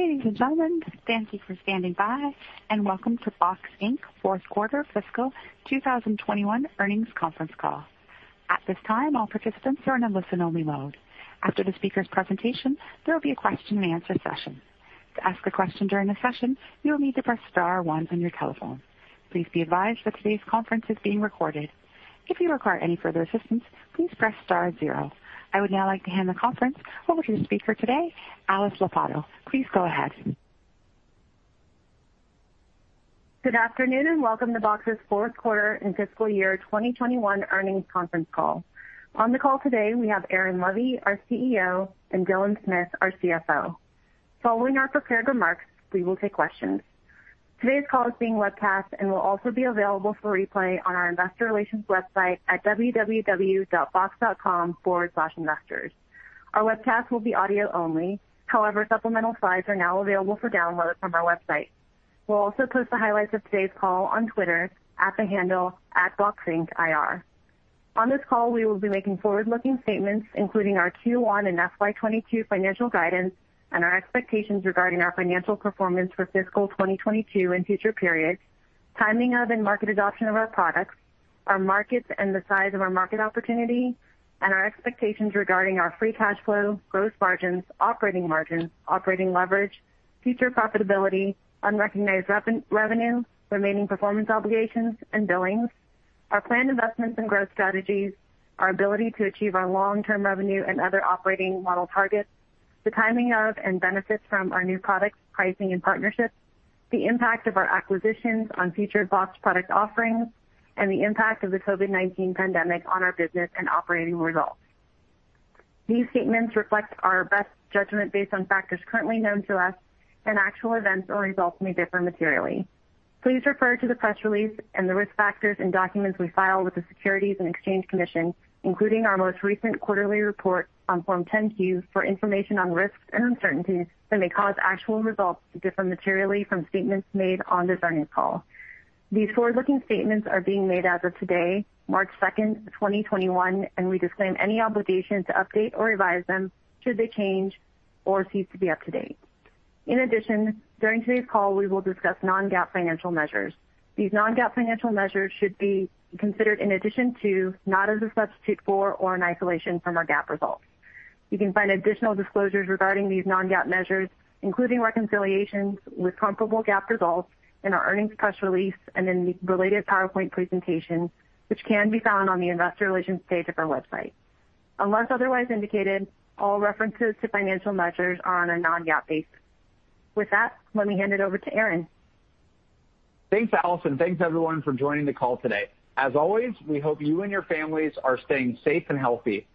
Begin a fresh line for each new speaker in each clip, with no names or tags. Ladies and gentlemen, thank you for standing by, and welcome to Box Inc.'s fourth quarter fiscal 2021 earnings conference call. At this time all participants are in a listen-only mode. After the speakers' presentation, there will be a question-and-answer session. To ask a question during the session, you'll need to press star one on your telephone. Please be advised that this conference is being recorded. If you require any further assistance, please press star zero. I would now like to hand the conference over to the speaker today, Alice Lopatto. Please go ahead.
Good afternoon, and welcome to Box's fourth quarter and fiscal year 2021 earnings conference call. On the call today, we have Aaron Levie, our CEO, and Dylan Smith, our CFO. Following our prepared remarks, we will take questions. Today's call is being webcast and will also be available for replay on our investor relations website at www.box.com/investors. Our webcast will be audio only. However, supplemental slides are now available for download from our website. We'll also post the highlights of today's call on Twitter at the handle @boxincIR. On this call, we will be making forward-looking statements, including our Q1 and FY 2022 financial guidance and our expectations regarding our financial performance for fiscal 2022 and future periods, timing of and market adoption of our products, our markets and the size of our market opportunity, and our expectations regarding our free cash flow, gross margins, operating margins, operating leverage, future profitability, unrecognized revenue, remaining performance obligations, and billings, our planned investments and growth strategies, our ability to achieve our long-term revenue and other operating model targets, the timing of and benefits from our new products, pricing and partnerships, the impact of our acquisitions on future Box product offerings, and the impact of the COVID-19 pandemic on our business and operating results. These statements reflect our best judgment based on factors currently known to us, and actual events or results may differ materially. Please refer to the press release and the risk factors and documents we file with the Securities and Exchange Commission, including our most recent quarterly report on Form 10-Q, for information on risks and uncertainties that may cause actual results to differ materially from statements made on this earnings call. We disclaim any obligation to update or revise them should they change or cease to be up to date. In addition, during today's call, we will discuss non-GAAP financial measures. These non-GAAP financial measures should be considered in addition to, not as a substitute for, or in isolation from, our GAAP results. You can find additional disclosures regarding these non-GAAP measures, including reconciliations with comparable GAAP results, in our earnings press release and in the related PowerPoint presentation, which can be found on the investor relations page of our website. Unless otherwise indicated, all references to financial measures are on a non-GAAP basis. With that, let me hand it over to Aaron.
Thanks, Alice, and thanks, everyone, for joining the call today. As always, we hope you and your families are staying safe and healthy.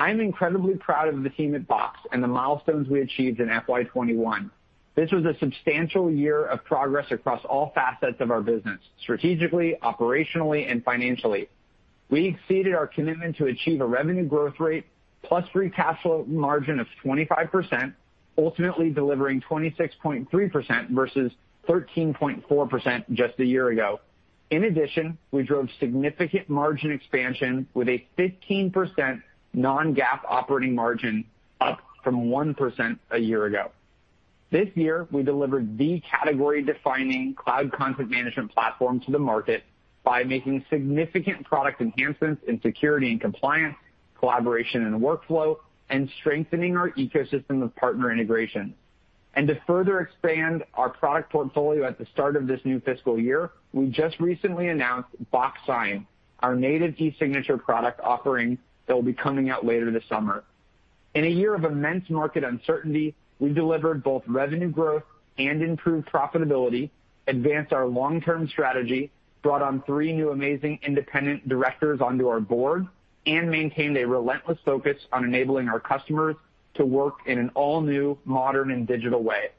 I'm incredibly proud of the team at Box and the milestones we achieved in FY 2021. This was a substantial year of progress across all facets of our business, strategically, operationally, and financially. We exceeded our commitment to achieve a revenue growth rate plus free cash flow margin of 25%, ultimately delivering 26.3% versus 13.4% just a year ago. In addition, we drove significant margin expansion with a 15% non-GAAP operating margin, up from 1% a year ago. This year, we delivered the category-defining cloud content management platform to the market by making significant product enhancements in security and compliance, collaboration, and workflow, and strengthening our ecosystem of partner integration. To further expand our product portfolio at the start of this new fiscal year, we just recently announced Box Sign, our native e-signature product offering that will be coming out later this summer. In a year of immense market uncertainty, we delivered both revenue growth and improved profitability, advanced our long-term strategy, brought on three new amazing independent directors onto our board, and maintained a relentless focus on enabling our customers to work in an all-new, modern, and digital way.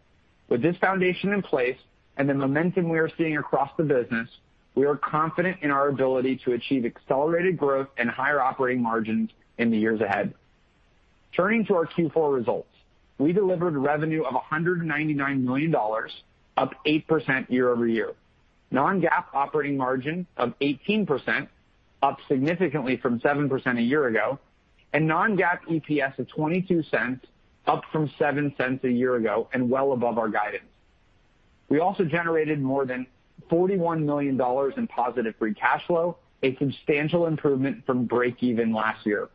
With this foundation in place and the momentum we are seeing across the business, we are confident in our ability to achieve accelerated growth and higher operating margins in the years ahead. Turning to our Q4 results, we delivered revenue of $199 million, up 8% year-over-year, non-GAAP operating margin of 18%, up significantly from 7% a year ago, and non-GAAP EPS of $0.22, up from $0.07 a year ago, and well above our guidance. We also generated more than $41 million in positive free cash flow, a substantial improvement from break even last year.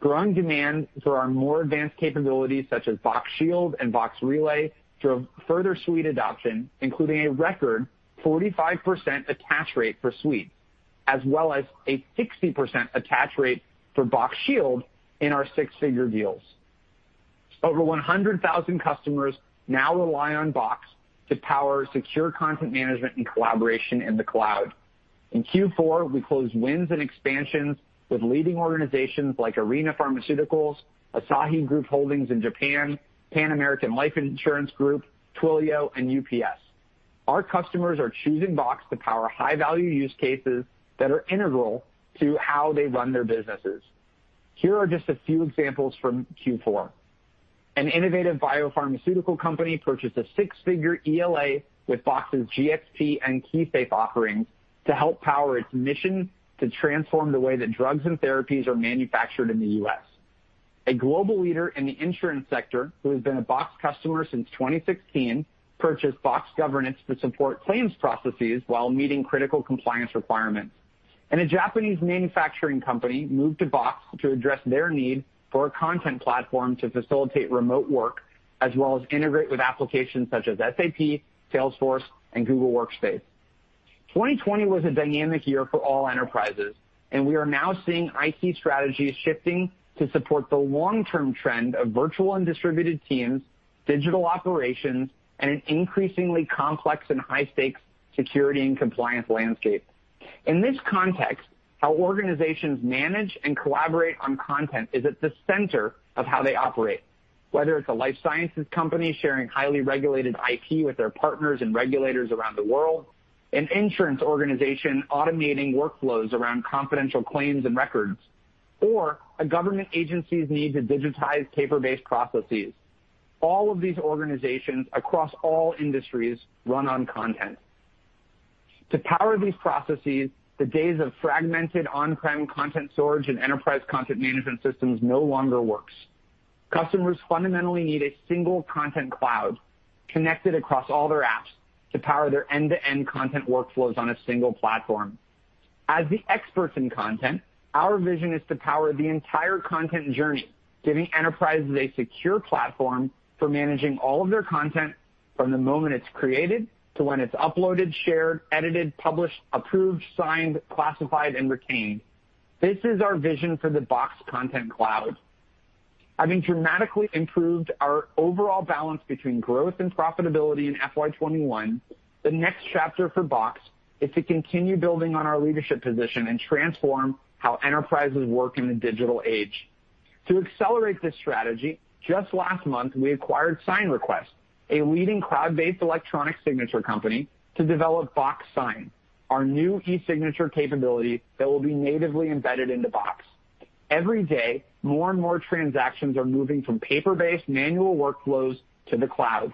Growing demand for our more advanced capabilities, such as Box Shield and Box Relay, drove further Suite adoption, including a record 45% attach rate for Suite, as well as a 60% attach rate for Box Shield in our six-figure deals. Over 100,000 customers now rely on Box to power secure content management and collaboration in the cloud. In Q4, we closed wins and expansions with leading organizations like Arena Pharmaceuticals, Asahi Group Holdings in Japan, Pan-American Life Insurance Group, Twilio, and UPS. Our customers are choosing Box to power high-value use cases that are integral to how they run their businesses. Here are just a few examples from Q4. An innovative biopharmaceutical company purchased a six-figure ELA with Box GxP and Box KeySafe offerings to help power its mission to transform the way that drugs and therapies are manufactured in the U.S. A global leader in the insurance sector, who has been a Box customer since 2016, purchased Box Governance to support claims processes while meeting critical compliance requirements. A Japanese manufacturing company moved to Box to address their need for a content platform to facilitate remote work, as well as integrate with applications such as SAP, Salesforce, and Google Workspace. 2020 was a dynamic year for all enterprises, and we are now seeing IT strategies shifting to support the long-term trend of virtual and distributed teams, digital operations, and an increasingly complex and high-stakes security and compliance landscape. In this context, how organizations manage and collaborate on content is at the center of how they operate. Whether it's a life sciences company sharing highly regulated IP with their partners and regulators around the world, an insurance organization automating workflows around confidential claims and records, or a government agency's need to digitize paper-based processes. All of these organizations, across all industries, run on content. To power these processes, the days of fragmented on-prem content storage and enterprise content management systems no longer works. Customers fundamentally need a single Content Cloud connected across all their apps to power their end-to-end content workflows on a single platform. As the experts in content, our vision is to power the entire content journey, giving enterprises a secure platform for managing all of their content from the moment it's created to when it's uploaded, shared, edited, published, approved, signed, classified, and retained. This is our vision for the Box Content Cloud. Having dramatically improved our overall balance between growth and profitability in FY 2021, the next chapter for Box is to continue building on our leadership position and transform how enterprises work in the digital age. To accelerate this strategy, just last month, we acquired SignRequest, a leading cloud-based electronic signature company, to develop Box Sign, our new e-signature capability that will be natively embedded into Box. Every day, more and more transactions are moving from paper-based manual workflows to the cloud.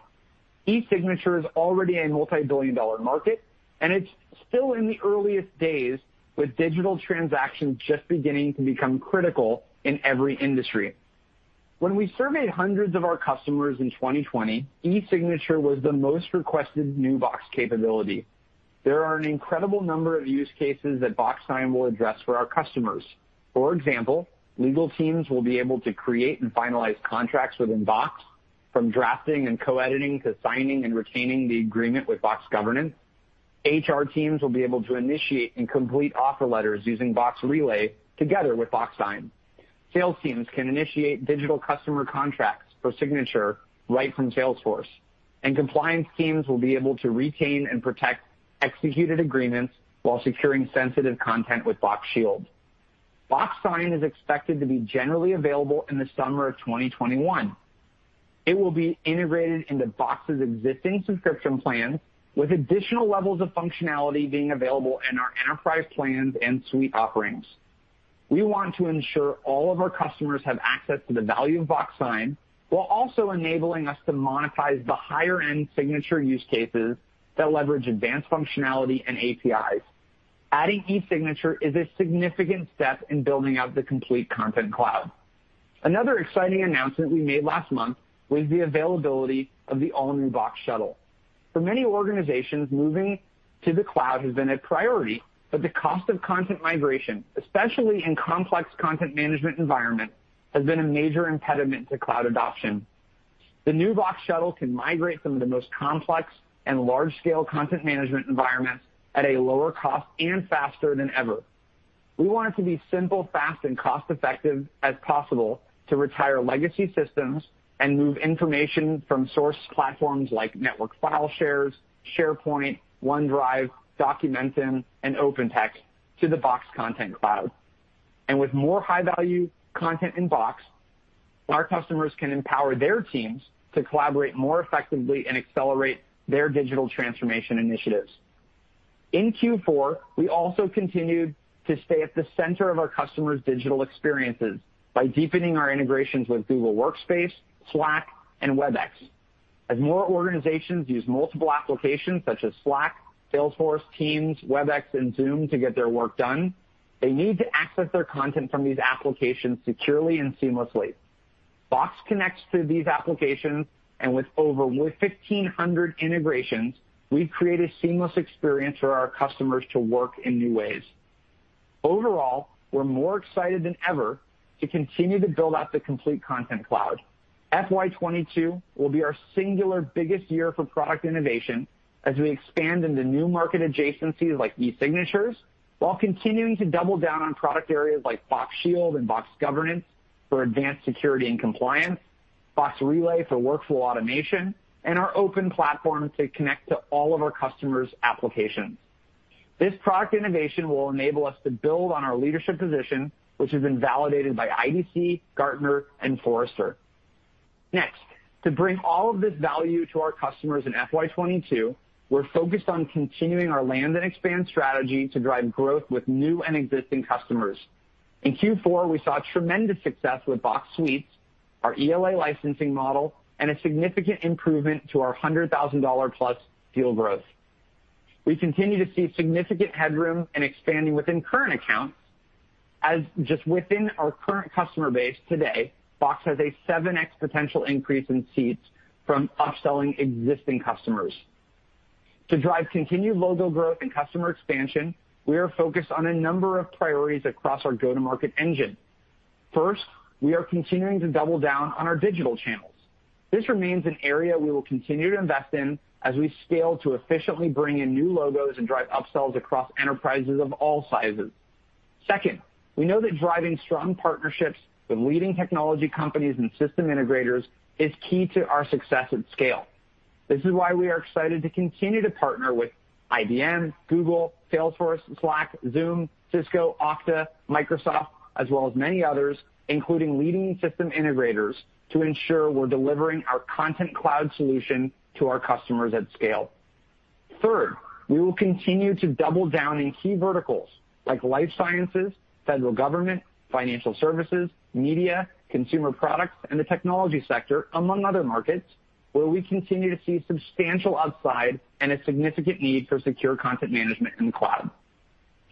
E-signature is already a multi-billion-dollar market, it's still in the earliest days with digital transactions just beginning to become critical in every industry. When we surveyed hundreds of our customers in 2020, e-signature was the most requested new Box capability. There are an incredible number of use cases that Box Sign will address for our customers. For example, legal teams will be able to create and finalize contracts within Box, from drafting and co-editing to signing and retaining the agreement with Box Governance. HR teams will be able to initiate and complete offer letters using Box Relay together with Box Sign. Sales teams can initiate digital customer contracts for signature right from Salesforce, compliance teams will be able to retain and protect executed agreements while securing sensitive content with Box Shield. Box Sign is expected to be generally available in the summer of 2021. It will be integrated into Box's existing subscription plan, with additional levels of functionality being available in our enterprise plans and suite offerings. We want to ensure all of our customers have access to the value of Box Sign while also enabling us to monetize the higher-end signature use cases that leverage advanced functionality and APIs. Adding e-signature is a significant step in building out the complete Content Cloud. Another exciting announcement we made last month was the availability of the all-new Box Shuttle. For many organizations, moving to the cloud has been a priority, but the cost of content migration, especially in complex content management environment, has been a major impediment to cloud adoption. The new Box Shuttle can migrate some of the most complex and large-scale content management environments at a lower cost and faster than ever. We want it to be simple, fast, and cost-effective as possible to retire legacy systems and move information from source platforms like network file shares, SharePoint, OneDrive, Documentum, and OpenText to the Box Content Cloud. With more high-value content in Box, our customers can empower their teams to collaborate more effectively and accelerate their digital transformation initiatives. In Q4, we also continued to stay at the center of our customers' digital experiences by deepening our integrations with Google Workspace, Slack, and Webex. As more organizations use multiple applications such as Slack, Salesforce, Teams, Webex, and Zoom to get their work done, they need to access their content from these applications securely and seamlessly. Box connects to these applications, and with over 1,500 integrations, we create a seamless experience for our customers to work in new ways. Overall, we're more excited than ever to continue to build out the complete Content Cloud. FY 2022 will be our singular biggest year for product innovation as we expand into new market adjacencies like e-signatures, while continuing to double down on product areas like Box Shield and Box Governance for advanced security and compliance, Box Relay for workflow automation, and our open platform to connect to all of our customers' applications. This product innovation will enable us to build on our leadership position, which has been validated by IDC, Gartner, and Forrester. Next, to bring all of this value to our customers in FY 2022, we're focused on continuing our land and expand strategy to drive growth with new and existing customers. In Q4, we saw tremendous success with Box Suites, our ELA licensing model, and a significant improvement to our $100,000+ deal growth. We continue to see significant headroom in expanding within current accounts, as just within our current customer base today, Box has a 7x potential increase in seats from upselling existing customers. To drive continued logo growth and customer expansion, we are focused on a number of priorities across our go-to-market engine. First, we are continuing to double down on our digital channels. This remains an area we will continue to invest in as we scale to efficiently bring in new logos and drive upsells across enterprises of all sizes. Second, we know that driving strong partnerships with leading technology companies and system integrators is key to our success at scale. This is why we are excited to continue to partner with IBM, Google, Salesforce, Slack, Zoom, Cisco, Okta, Microsoft, as well as many others, including leading system integrators, to ensure we're delivering our Content Cloud solution to our customers at scale. Third, we will continue to double down in key verticals like life sciences, federal government, financial services, media, consumer products, and the technology sector, among other markets, where we continue to see substantial upside and a significant need for secure content management in the cloud.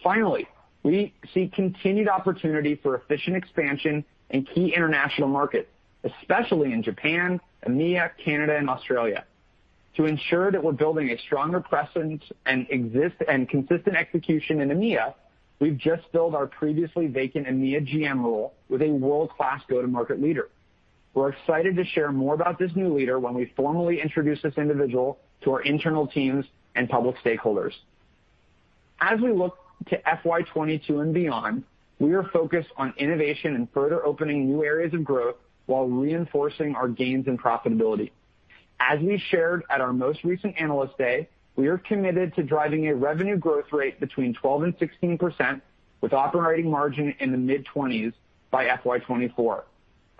Finally, we see continued opportunity for efficient expansion in key international markets, especially in Japan, EMEA, Canada, and Australia. To ensure that we're building a stronger presence and consistent execution in EMEA, we've just filled our previously vacant EMEA GM role with a world-class go-to-market leader. We're excited to share more about this new leader when we formally introduce this individual to our internal teams and public stakeholders. As we look to FY 2022 and beyond, we are focused on innovation and further opening new areas of growth while reinforcing our gains in profitability. As we shared at our most recent Analyst Day, we are committed to driving a revenue growth rate between 12% and 16%, with operating margin in the mid-20s by FY 2024.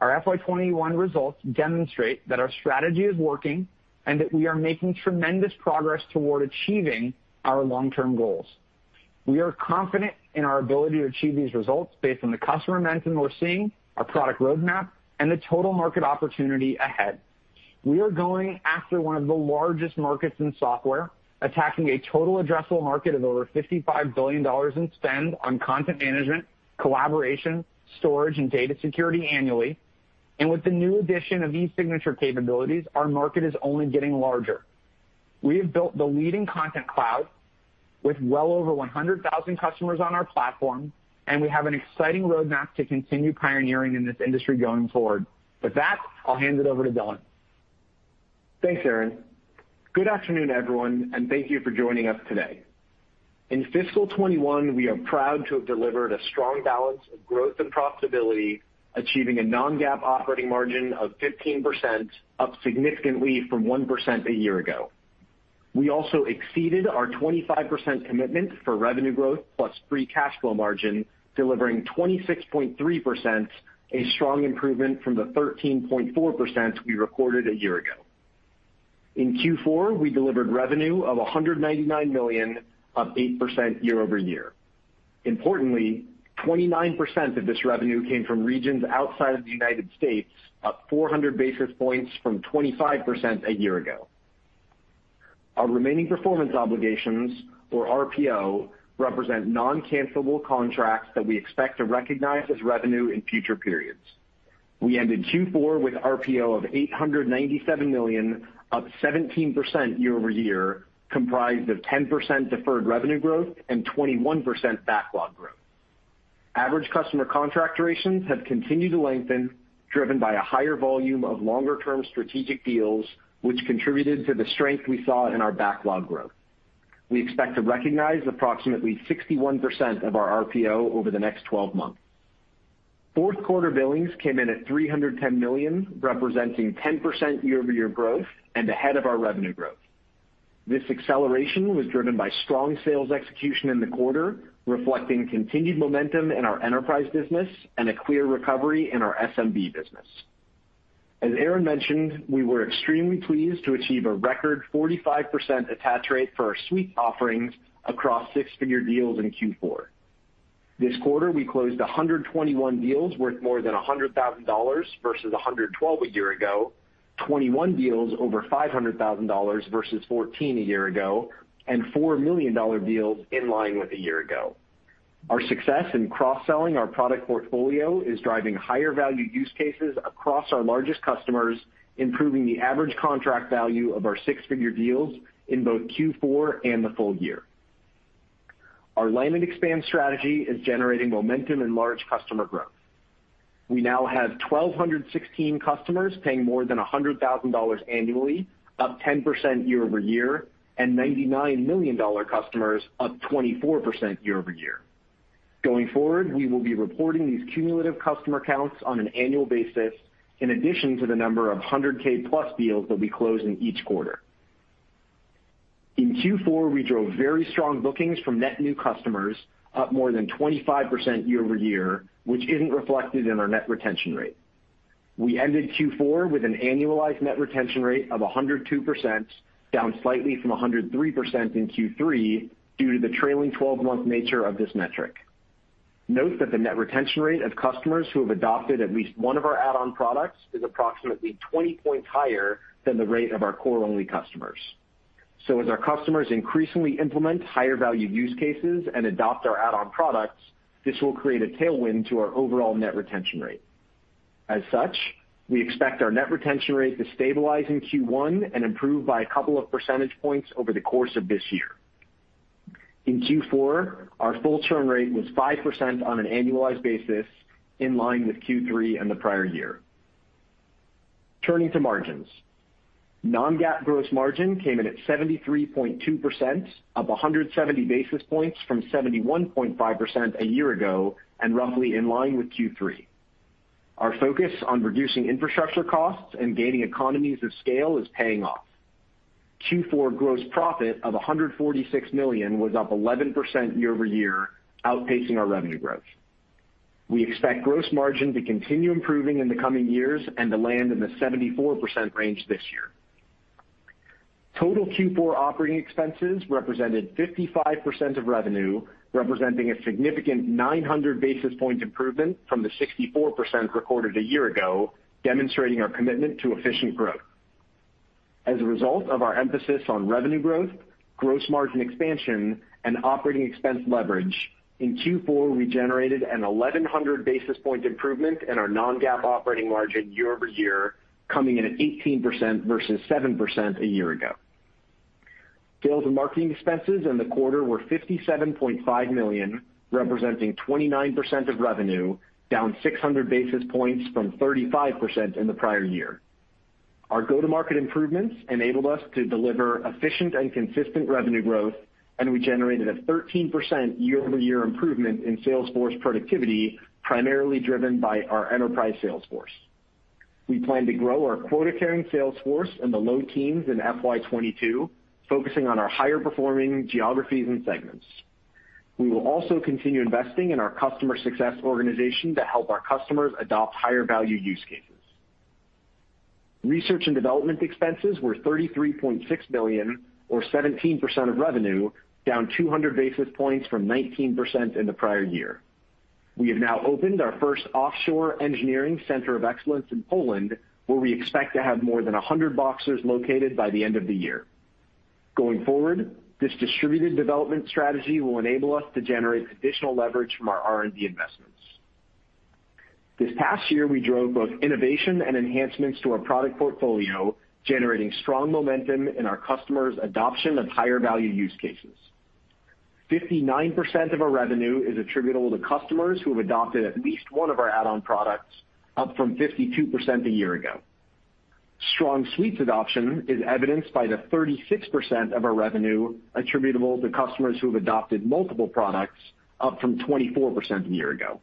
Our FY 2021 results demonstrate that our strategy is working and that we are making tremendous progress toward achieving our long-term goals. We are confident in our ability to achieve these results based on the customer momentum we're seeing, our product roadmap, and the total market opportunity ahead. We are going after one of the largest markets in software, attacking a total addressable market of over $55 billion in spend on content management, collaboration, storage, and data security annually. With the new addition of e-signature capabilities, our market is only getting larger. We have built the leading Content Cloud with well over 100,000 customers on our platform, and we have an exciting roadmap to continue pioneering in this industry going forward. With that, I'll hand it over to Dylan.
Thanks, Aaron. Good afternoon, everyone, thank you for joining us today. In fiscal 2021, we are proud to have delivered a strong balance of growth and profitability, achieving a non-GAAP operating margin of 15%, up significantly from 1% a year ago. We also exceeded our 25% commitment for revenue growth plus free cash flow margin, delivering 26.3%, a strong improvement from the 13.4% we recorded a year ago. In Q4, we delivered revenue of $199 million, up 8% year-over-year. Importantly, 29% of this revenue came from regions outside of the United States, up 400 basis points from 25% a year ago. Our remaining performance obligations, or RPO, represent non-cancelable contracts that we expect to recognize as revenue in future periods. We ended Q4 with RPO of $897 million, up 17% year-over-year, comprised of 10% deferred revenue growth and 21% backlog growth. Average customer contract durations have continued to lengthen, driven by a higher volume of longer-term strategic deals, which contributed to the strength we saw in our backlog growth. We expect to recognize approximately 61% of our RPO over the next 12 months. Fourth quarter billings came in at $310 million, representing 10% year-over-year growth and ahead of our revenue growth. This acceleration was driven by strong sales execution in the quarter, reflecting continued momentum in our enterprise business and a clear recovery in our SMB business. As Aaron mentioned, we were extremely pleased to achieve a record 45% attach rate for our suite offerings across six-figure deals in Q4. This quarter, we closed 121 deals worth more than $100,000 versus 112 a year ago, 21 deals over $500,000 versus 14 a year ago, and four million-dollar deals in line with a year ago. Our success in cross-selling our product portfolio is driving higher value use cases across our largest customers, improving the average contract value of our six-figure deals in both Q4 and the full year. Our land and expand strategy is generating momentum in large customer growth. We now have 1,216 customers paying more than $100,000 annually, up 10% year-over-year, and 99 million-dollar customers, up 24% year-over-year. Going forward, we will be reporting these cumulative customer counts on an annual basis in addition to the number of 100K plus deals that we close in each quarter. In Q4, we drove very strong bookings from net new customers, up more than 25% year-over-year, which isn't reflected in our net retention rate. We ended Q4 with an annualized net retention rate of 102%, down slightly from 103% in Q3 due to the trailing 12-month nature of this metric. Note that the net retention rate of customers who have adopted at least one of our add-on products is approximately 20 points higher than the rate of our core-only customers. As our customers increasingly implement higher value use cases and adopt our add-on products, this will create a tailwind to our overall net retention rate. As such, we expect our net retention rate to stabilize in Q1 and improve by a couple of percentage points over the course of this year. In Q4, our full churn rate was 5% on an annualized basis, in line with Q3 and the prior year. Turning to margins. Non-GAAP gross margin came in at 73.2%, up 170 basis points from 71.5% a year ago. Roughly in line with Q3. Our focus on reducing infrastructure costs and gaining economies of scale is paying off. Q4 gross profit of $146 million was up 11% year-over-year, outpacing our revenue growth. We expect gross margin to continue improving in the coming years and to land in the 74% range this year. Total Q4 operating expenses represented 55% of revenue, representing a significant 900 basis point improvement from the 64% recorded a year ago, demonstrating our commitment to efficient growth. As a result of our emphasis on revenue growth, gross margin expansion, and operating expense leverage, in Q4, we generated an 1100 basis point improvement in our non-GAAP operating margin year-over-year, coming in at 18% versus 7% a year ago. Sales and marketing expenses in the quarter were $57.5 million, representing 29% of revenue, down 600 basis points from 35% in the prior year. Our go-to-market improvements enabled us to deliver efficient and consistent revenue growth, and we generated a 13% year-over-year improvement in sales force productivity, primarily driven by our enterprise sales force. We plan to grow our quota-carrying sales force in the low teens in FY 2022, focusing on our higher performing geographies and segments. We will also continue investing in our customer success organization to help our customers adopt higher value use cases. Research and development expenses were $33.6 million, or 17% of revenue, down 200 basis points from 19% in the prior year. We have now opened our first offshore center of engineering excellence in Poland, where we expect to have more than 100 Boxers located by the end of the year. Going forward, this distributed development strategy will enable us to generate additional leverage from our R&D investments. This past year, we drove both innovation and enhancements to our product portfolio, generating strong momentum in our customers' adoption of higher value use cases. 59% of our revenue is attributable to customers who have adopted at least one of our add-on products, up from 52% a year ago. Strong Suites adoption is evidenced by the 36% of our revenue attributable to customers who have adopted multiple products, up from 24% a year ago.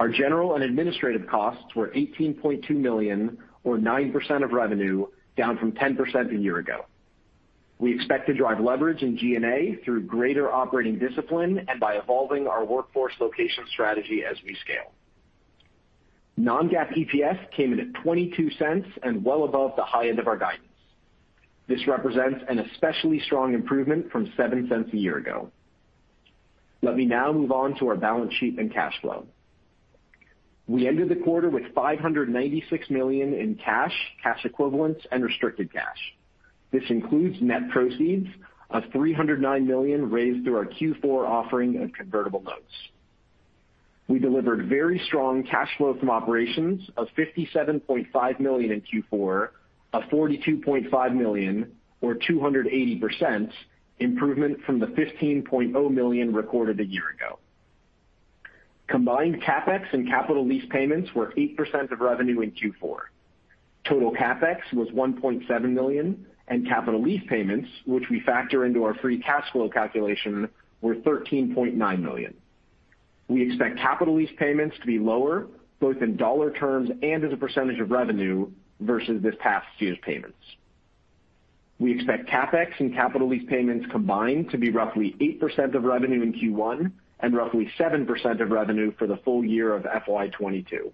Our general and administrative costs were $18.2 million, or 9% of revenue, down from 10% a year ago. We expect to drive leverage in G&A through greater operating discipline and by evolving our workforce location strategy as we scale. Non-GAAP EPS came in at $0.22 and well above the high end of our guidance. This represents an especially strong improvement from $0.07 a year ago. Let me now move on to our balance sheet and cash flow. We ended the quarter with $596 million in cash equivalents, and restricted cash. This includes net proceeds of $309 million raised through our Q4 offering of convertible notes. We delivered very strong cash flow from operations of $57.5 million in Q4, a $42.5 million or 280% improvement from the $15.0 million recorded a year ago. Combined CapEx and capital lease payments were 8% of revenue in Q4. Total CapEx was $1.7 million, and capital lease payments, which we factor into our free cash flow calculation, were $13.9 million. We expect capital lease payments to be lower, both in dollar terms and as a percentage of revenue versus this past year's payments. We expect CapEx and capital lease payments combined to be roughly 8% of revenue in Q1 and roughly 7% of revenue for the full year of FY 2022.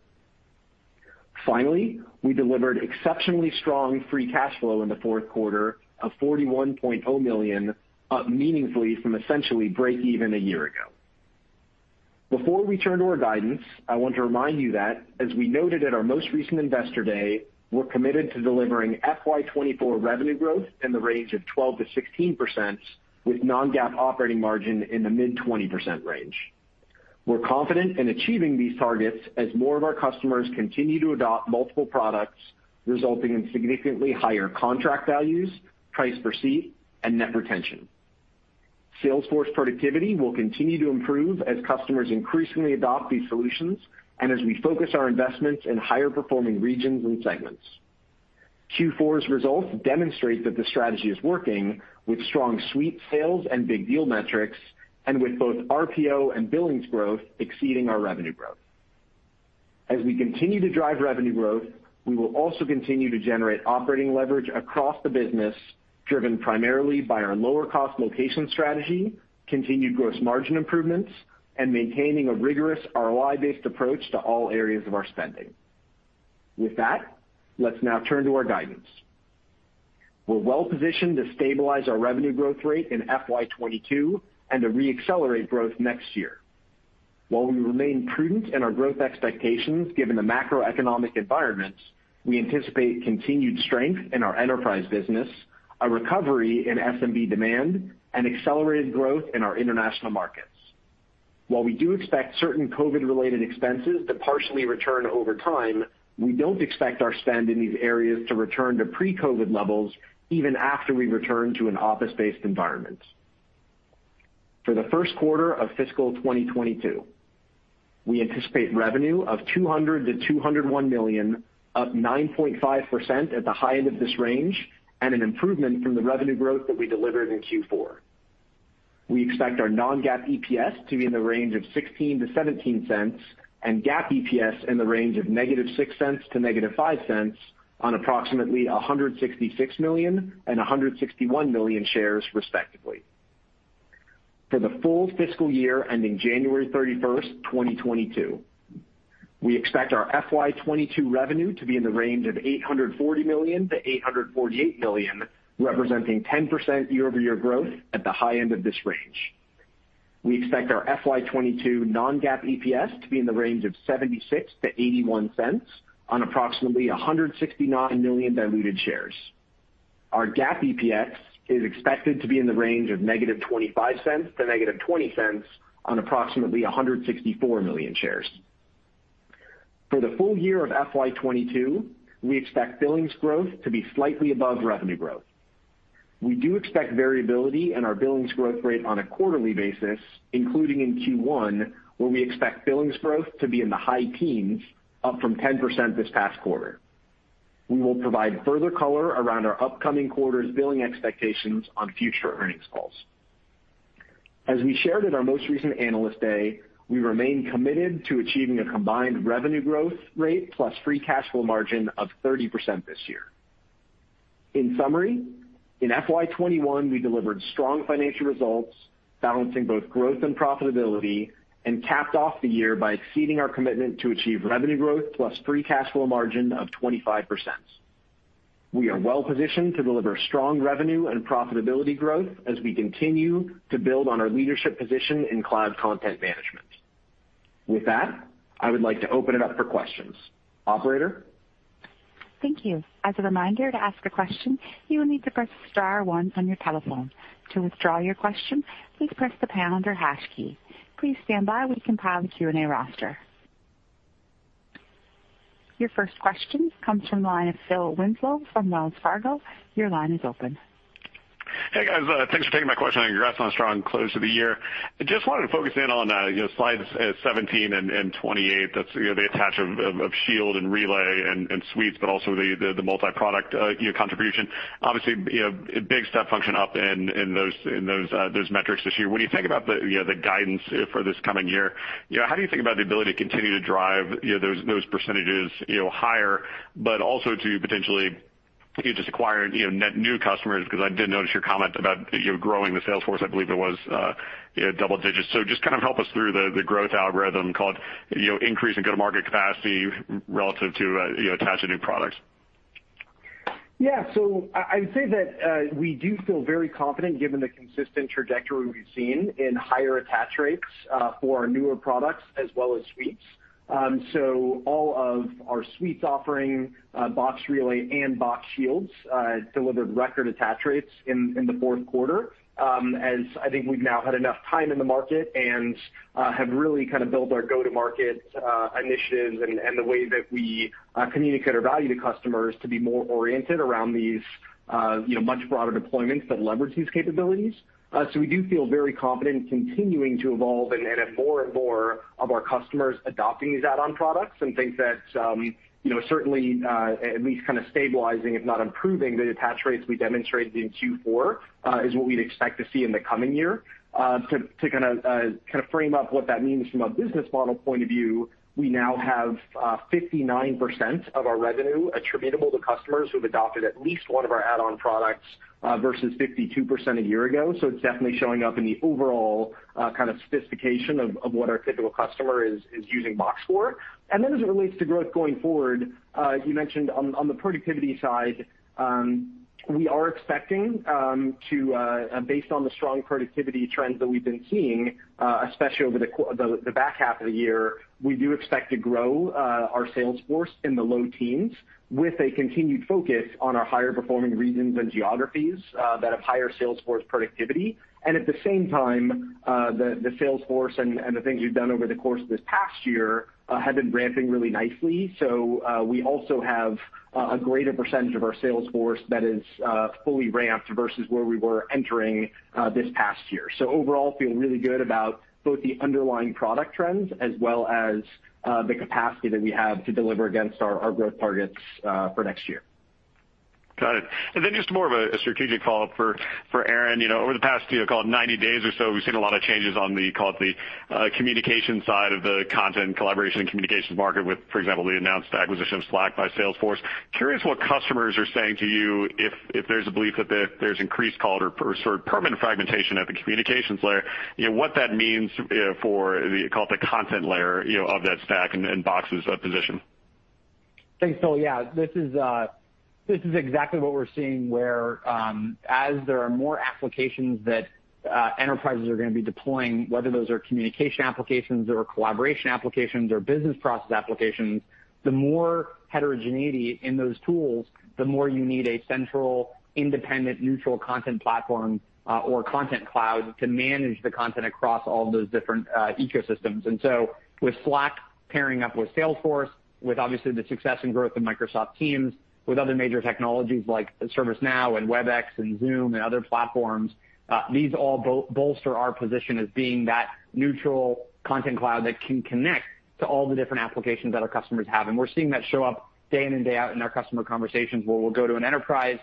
Finally, we delivered exceptionally strong free cash flow in the fourth quarter of $41.0 million, up meaningfully from essentially break even a year ago. Before we turn to our guidance, I want to remind you that, as we noted at our most recent Investor Day, we're committed to delivering FY 2024 revenue growth in the range of 12%-16%, with non-GAAP operating margin in the mid-20% range. We're confident in achieving these targets as more of our customers continue to adopt multiple products, resulting in significantly higher contract values, price per seat, and net retention. Sales force productivity will continue to improve as customers increasingly adopt these solutions and as we focus our investments in higher performing regions and segments. Q4's results demonstrate that the strategy is working with strong suite sales and big deal metrics, and with both RPO and billings growth exceeding our revenue growth. As we continue to drive revenue growth, we will also continue to generate operating leverage across the business, driven primarily by our lower cost location strategy, continued gross margin improvements, and maintaining a rigorous ROI-based approach to all areas of our spending. With that, let's now turn to our guidance. We're well-positioned to stabilize our revenue growth rate in FY 2022 and to re-accelerate growth next year. While we remain prudent in our growth expectations, given the macroeconomic environment, we anticipate continued strength in our enterprise business, a recovery in SMB demand, and accelerated growth in our international markets. While we do expect certain COVID-related expenses to partially return over time, we don't expect our spend in these areas to return to pre-COVID levels, even after we return to an office-based environment. For the first quarter of fiscal 2022, we anticipate revenue of $200 million-$201 million, up 9.5% at the high end of this range, and an improvement from the revenue growth that we delivered in Q4. We expect our non-GAAP EPS to be in the range of $0.16-$0.17 and GAAP EPS in the range of -$0.06 to -$0.05 on approximately 166 million and 161 million shares, respectively. For the full fiscal year ending January 31st, 2022, we expect our FY 2022 revenue to be in the range of $840 million-$848 million, representing 10% year-over-year growth at the high end of this range. We expect our FY 2022 non-GAAP EPS to be in the range of $0.76-$0.81 on approximately 169 million diluted shares. Our GAAP EPS is expected to be in the range of -$0.25 to -$0.20 on approximately 164 million shares. For the full year of FY 2022, we expect billings growth to be slightly above revenue growth. We do expect variability in our billings growth rate on a quarterly basis, including in Q1, where we expect billings growth to be in the high teens, up from 10% this past quarter. We will provide further color around our upcoming quarter's billing expectations on future earnings calls. As we shared at our most recent Analyst Day, we remain committed to achieving a combined revenue growth rate plus free cash flow margin of 30% this year. In summary, in FY 2021, we delivered strong financial results, balancing both growth and profitability, and capped off the year by exceeding our commitment to achieve revenue growth plus free cash flow margin of 25%. We are well positioned to deliver strong revenue and profitability growth as we continue to build on our leadership position in cloud content management. With that, I would like to open it up for questions. Operator?
Thank you. As a reminder, to ask a question, you will need to press star one on your telephone. To withdraw your question, please press the pound or hash key. Please stand by while we compile the Q&A roster. Your first question comes from the line of Phil Winslow from Wells Fargo. Your line is open.
Hey, guys. Thanks for taking my question. Congrats on a strong close to the year. I just wanted to focus in on slides 17 and 28. That's the attach of Shield and Relay and Suites, but also the multi-product contribution. Obviously, a big step function up in those metrics this year. When you think about the guidance for this coming year, how do you think about the ability to continue to drive those percentages higher, but also to potentially just acquire net new customers? Because I did notice your comment about growing the sales force, I believe it was double digits. Just kind of help us through the growth algorithm called increase in go-to-market capacity relative to attach a new product.
Yeah. I would say that we do feel very confident given the consistent trajectory we've seen in higher attach rates for our newer products as well as Suites. All of our Suites offering, Box Relay and Box Shield, delivered record attach rates in the fourth quarter as I think we've now had enough time in the market and have really kind of built our go-to-market initiatives and the way that we communicate our value to customers to be more oriented around these much broader deployments that leverage these capabilities. We do feel very confident in continuing to evolve and have more and more of our customers adopting these add-on products and think that certainly, at least kind of stabilizing, if not improving, the attach rates we demonstrated in Q4, is what we'd expect to see in the coming year. To kind of frame up what that means from a business model point of view, we now have 59% of our revenue attributable to customers who've adopted at least one of our add-on products versus 52% a year ago. It's definitely showing up in the overall kind of sophistication of what our typical customer is using Box for. As it relates to growth going forward, you mentioned on the productivity side, we are expecting to, based on the strong productivity trends that we've been seeing, especially over the back half of the year, we do expect to grow our sales force in the low teens with a continued focus on our higher performing regions and geographies that have higher sales force productivity. At the same time, the sales force and the things we've done over the course of this past year have been ramping really nicely. We also have a greater percentage of our sales force that is fully ramped versus where we were entering this past year. Overall, feel really good about both the underlying product trends as well as the capacity that we have to deliver against our growth targets for next year.
Got it. Just more of a strategic follow-up for Aaron. Over the past, call it 90 days or so, we've seen a lot of changes on the, call it the communication side of the content and collaboration and communications market with, for example, the announced acquisition of Slack by Salesforce. Curious what customers are saying to you if there's a belief that there's increased call it or sort of permanent fragmentation at the communications layer, what that means for the, call it the content layer of that stack and Box's position?
Thanks, Phil. Yeah, this is exactly what we're seeing, where as there are more applications that enterprises are going to be deploying, whether those are communication applications or collaboration applications or business process applications, the more heterogeneity in those tools, the more you need a central, independent, neutral content platform or Box Content Cloud to manage the content across all of those different ecosystems. With Slack pairing up with Salesforce, with obviously the success and growth of Microsoft Teams, with other major technologies like ServiceNow and Webex and Zoom and other platforms, these all bolster our position as being that neutral Box Content Cloud that can connect to all the different applications that our customers have. We're seeing that show up day in and day out in our customer conversations where we'll go to an enterprise,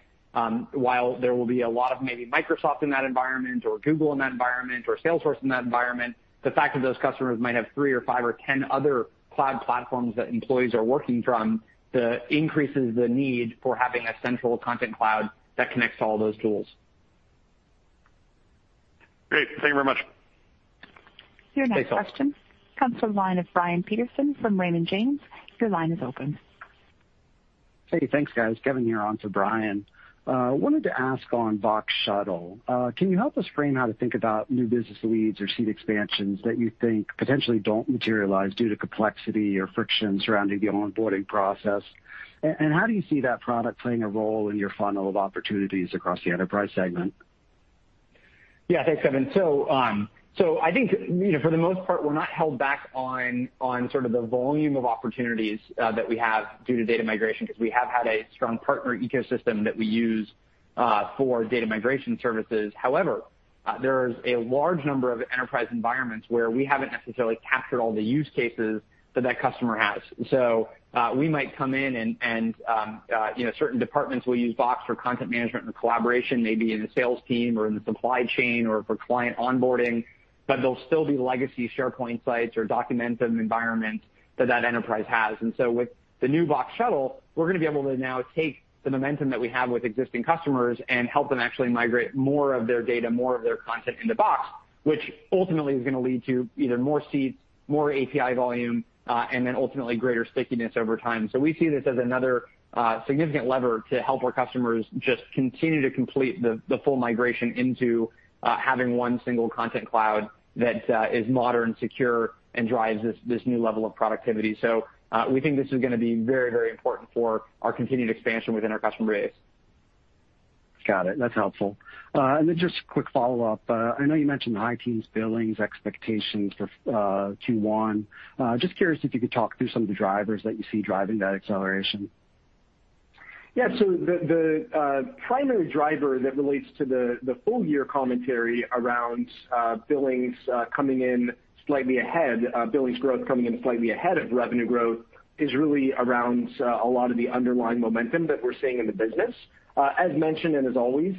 while there will be a lot of maybe Microsoft in that environment or Google in that environment, or Salesforce in that environment, the fact that those customers might have three or five or 10 other cloud platforms that employees are working from, increases the need for having a central Content Cloud that connects to all those tools.
Great. Thank you very much.
Your next question comes from the line of Brian Peterson from Raymond James. Your line is open.
Hey, thanks, guys. Kevin, you're on for Brian. Wanted to ask on Box Shuttle, can you help us frame how to think about new business leads or seat expansions that you think potentially don't materialize due to complexity or friction surrounding the onboarding process? How do you see that product playing a role in your funnel of opportunities across the enterprise segment?
Yeah, thanks, Kevin. I think for the most part, we're not held back on sort of the volume of opportunities that we have due to data migration because we have had a strong partner ecosystem that we use for data migration services. However, there is a large number of enterprise environments where we haven't necessarily captured all the use cases that that customer has. We might come in and certain departments will use Box for content management and collaboration, maybe in the sales team or in the supply chain or for client onboarding, but there'll still be legacy SharePoint sites or document environment that that enterprise has. With the new Box Shuttle, we're going to be able to now take the momentum that we have with existing customers and help them actually migrate more of their data, more of their content into Box, which ultimately is going to lead to either more seats, more API volume, and then ultimately greater stickiness over time. We see this as another significant lever to help our customers just continue to complete the full migration into having one single Box Content Cloud that is modern, secure, and drives this new level of productivity. We think this is going to be very important for our continued expansion within our customer base.
Got it. That's helpful. Just a quick follow-up. I know you mentioned high teens billings expectations for Q1. Just curious if you could talk through some of the drivers that you see driving that acceleration.
Yeah. The primary driver that relates to the full year commentary around billings growth coming in slightly ahead of revenue growth is really around a lot of the underlying momentum that we're seeing in the business. As mentioned, and as always,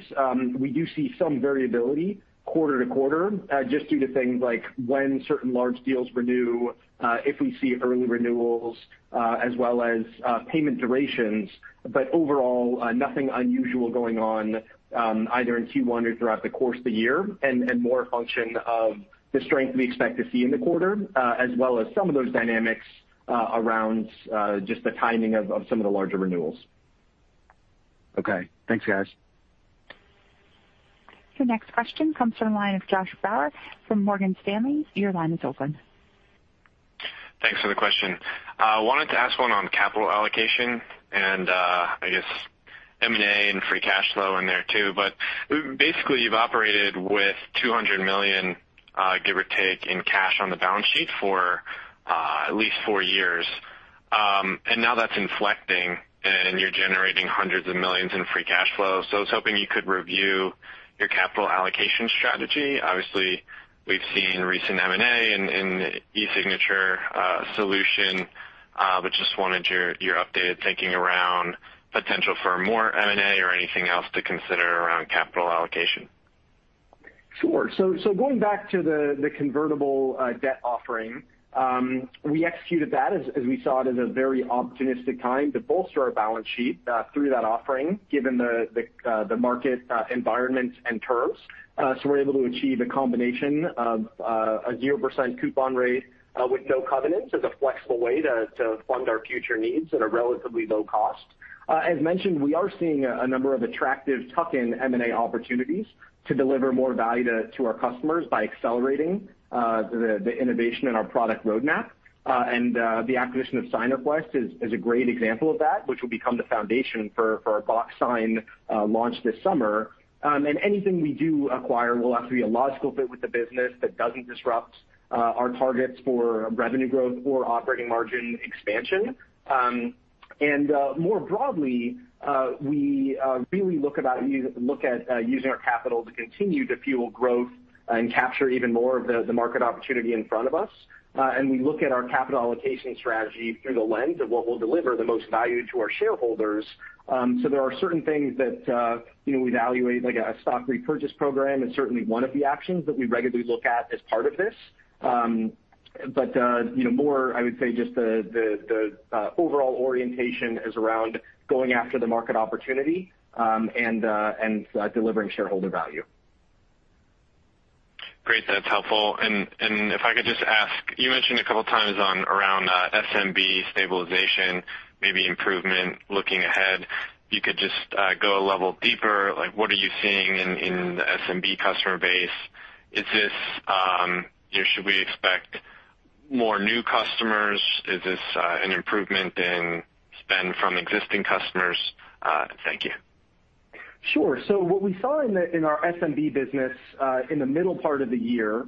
we do see some variability quarter to quarter just due to things like when certain large deals renew, if we see early renewals, as well as payment durations. Overall, nothing unusual going on either in Q1 or throughout the course of the year, and more a function of the strength we expect to see in the quarter, as well as some of those dynamics around just the timing of some of the larger renewals.
Okay. Thanks, guys.
Your next question comes from the line of Josh Baer from Morgan Stanley.
Thanks for the question. Wanted to ask one on capital allocation and I guess M&A and free cash flow in there too. Basically, you've operated with $200 million, give or take, in cash on the balance sheet for at least four years. Now that's inflecting and you're generating hundreds of millions in free cash flow. I was hoping you could review your capital allocation strategy. Obviously, we've seen recent M&A in e-signature solution, but just wanted your updated thinking around potential for more M&A or anything else to consider around capital allocation.
Sure. Going back to the convertible debt offering, we executed that as we saw it as a very opportunistic time to bolster our balance sheet through that offering, given the market environment and terms. We were able to achieve a combination of a 0% coupon rate with no covenants as a flexible way to fund our future needs at a relatively low cost. As mentioned, we are seeing a number of attractive tuck-in M&A opportunities to deliver more value to our customers by accelerating the innovation in our product roadmap. The acquisition of SignRequest is a great example of that, which will become the foundation for our Box Sign launch this summer. Anything we do acquire will have to be a logical fit with the business that doesn't disrupt our targets for revenue growth or operating margin expansion. More broadly, we really look at using our capital to continue to fuel growth and capture even more of the market opportunity in front of us. We look at our capital allocation strategy through the lens of what will deliver the most value to our shareholders. There are certain things that we evaluate, like a stock repurchase program is certainly one of the actions that we regularly look at as part of this. More, I would say just the overall orientation is around going after the market opportunity and delivering shareholder value.
Great. That's helpful. If I could just ask, you mentioned a couple of times around SMB stabilization, maybe improvement looking ahead, you could just go a level deeper, like what are you seeing in the SMB customer base? Should we expect more new customers? Is this an improvement in spend from existing customers? Thank you.
Sure. What we saw in our SMB business, in the middle part of the year,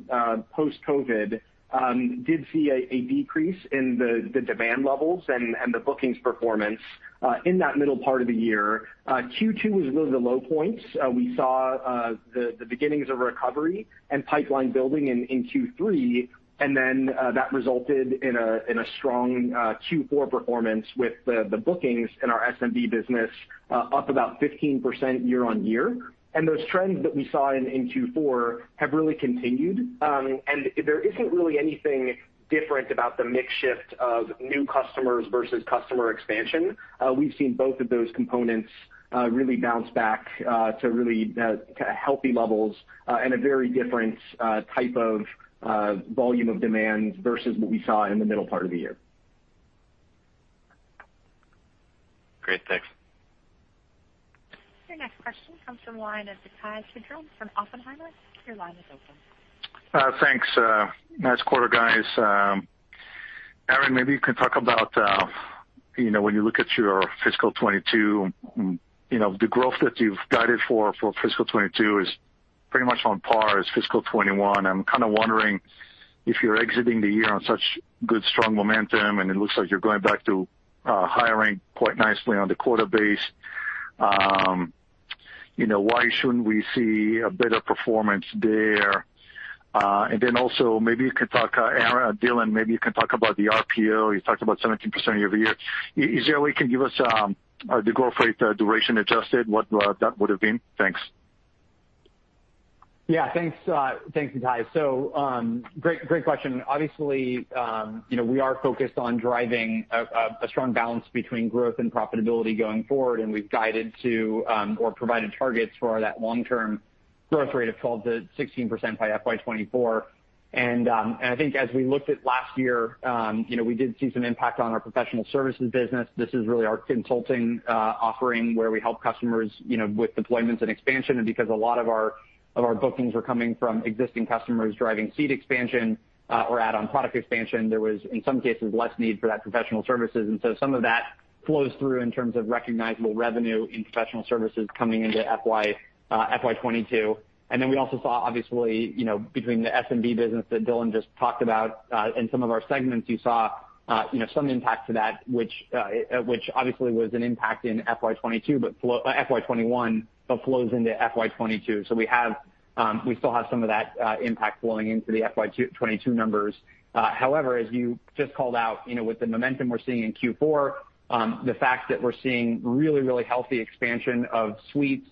post-COVID-19, did see a decrease in the demand levels and the bookings performance in that middle part of the year. Q2 was really the low point. We saw the beginnings of recovery and pipeline building in Q3, then that resulted in a strong Q4 performance with the bookings in our SMB business up about 15% year-on-year. Those trends that we saw in Q4 have really continued. There isn't really anything different about the mix shift of new customers versus customer expansion. We've seen both of those components really bounce back to really healthy levels, and a very different type of volume of demand versus what we saw in the middle part of the year.
Great, thanks.
Your next question comes from the line of Ittai Kidron from Oppenheimer. Your line is open.
Thanks. Nice quarter, guys. Aaron, maybe you can talk about when you look at your fiscal 2022, the growth that you've guided for fiscal 2022 is pretty much on par as fiscal 2021. I'm kind of wondering if you're exiting the year on such good, strong momentum, and it looks like you're going back to hiring quite nicely on the quarter-base, why shouldn't we see a better performance there? Aaron or Dylan, maybe you can talk about the RPO. You talked about 17% year-over-year. Is there a way you can give us the growth rate, duration adjusted, what that would've been? Thanks.
Thanks, Ittai. Great question. Obviously, we are focused on driving a strong balance between growth and profitability going forward, and we've guided to, or provided targets for that long-term growth rate of 12%-16% by FY 2024. I think as we looked at last year, we did see some impact on our professional services business. This is really our consulting offering where we help customers with deployments and expansion. Because a lot of our bookings were coming from existing customers driving seat expansion or add-on product expansion, there was, in some cases, less need for that professional services. Some of that flows through in terms of recognizable revenue in professional services coming into FY 2022. Then we also saw, obviously, between the SMB business that Dylan just talked about, in some of our segments you saw some impact to that, which obviously was an impact in FY 2021, but flows into FY 2022. We still have some of that impact flowing into the FY 2022 numbers. However, as you just called out, with the momentum we're seeing in Q4, the fact that we're seeing really, really healthy expansion of Suites,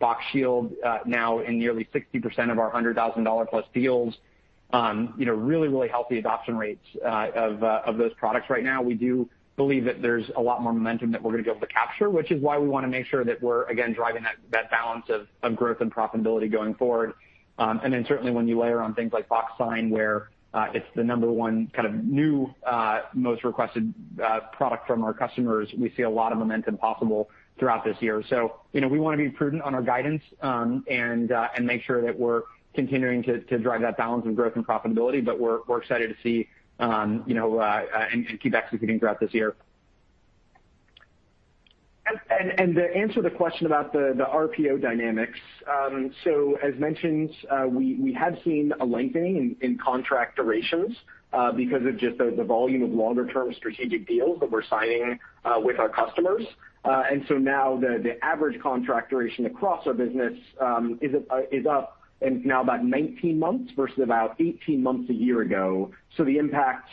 Box Shield now in nearly 60% of our $100,000+ deals, really, really healthy adoption rates of those products right now, we do believe that there's a lot more momentum that we're going to be able to capture, which is why we want to make sure that we're, again, driving that balance of growth and profitability going forward. Certainly when you layer on things like Box Sign, where it's the number one new most requested product from our customers, we see a lot of momentum possible throughout this year. We want to be prudent on our guidance, and make sure that we're continuing to drive that balance in growth and profitability. We're excited to see, and keep executing throughout this year.
To answer the question about the RPO dynamics. As mentioned, we have seen a lengthening in contract durations, because of just the volume of longer-term strategic deals that we're signing with our customers. Now the average contract duration across our business is up and now about 19 months versus about 18 months a year ago. The impact,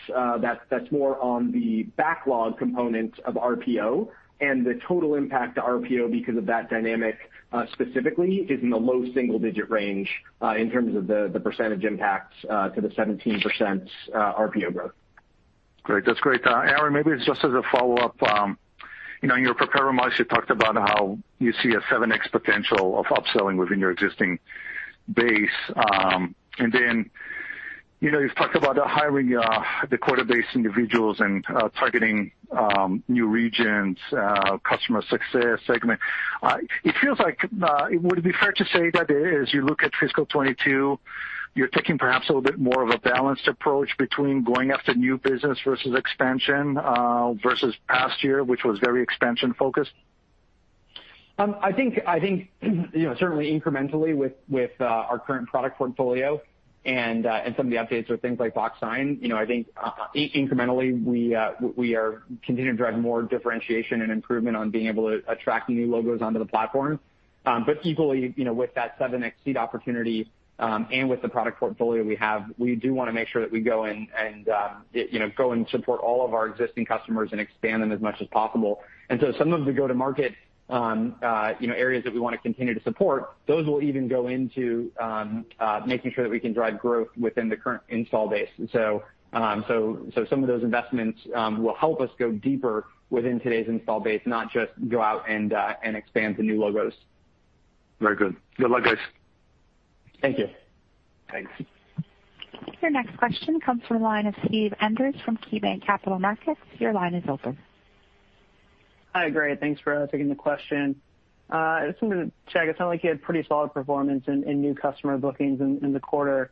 that's more on the backlog component of RPO, and the total impact to RPO because of that dynamic specifically is in the low single-digit range, in terms of the percentage impacts to the 17% RPO growth.
Great. That's great. Aaron, maybe just as a follow-up, in your prepared remarks, you talked about how you see a 7x potential of upselling within your existing base. You've talked about hiring the quota-based individuals and targeting new regions, customer success segment. Would it be fair to say that as you look at fiscal 2022, you're taking perhaps a little bit more of a balanced approach between going after new business versus expansion, versus past year, which was very expansion focused?
I think certainly incrementally with our current product portfolio and some of the updates with things like Box Sign, I think incrementally we are continuing to drive more differentiation and improvement on being able to attract new logos onto the platform. Equally, with that 7x seat opportunity, and with the product portfolio we have, we do want to make sure that we go in and support all of our existing customers and expand them as much as possible. Some of the go-to-market areas that we want to continue to support, those will even go into making sure that we can drive growth within the current install base. Some of those investments will help us go deeper within today's install base, not just go out and expand to new logos.
Very good. Good luck, guys.
Thank you.
Thanks.
Your next question comes from the line of Steve Enders from KeyBanc Capital Markets. Your line is open.
Hi, great. Thanks for taking the question. I just wanted to check, it sounded like you had pretty solid performance in new customer bookings in the quarter.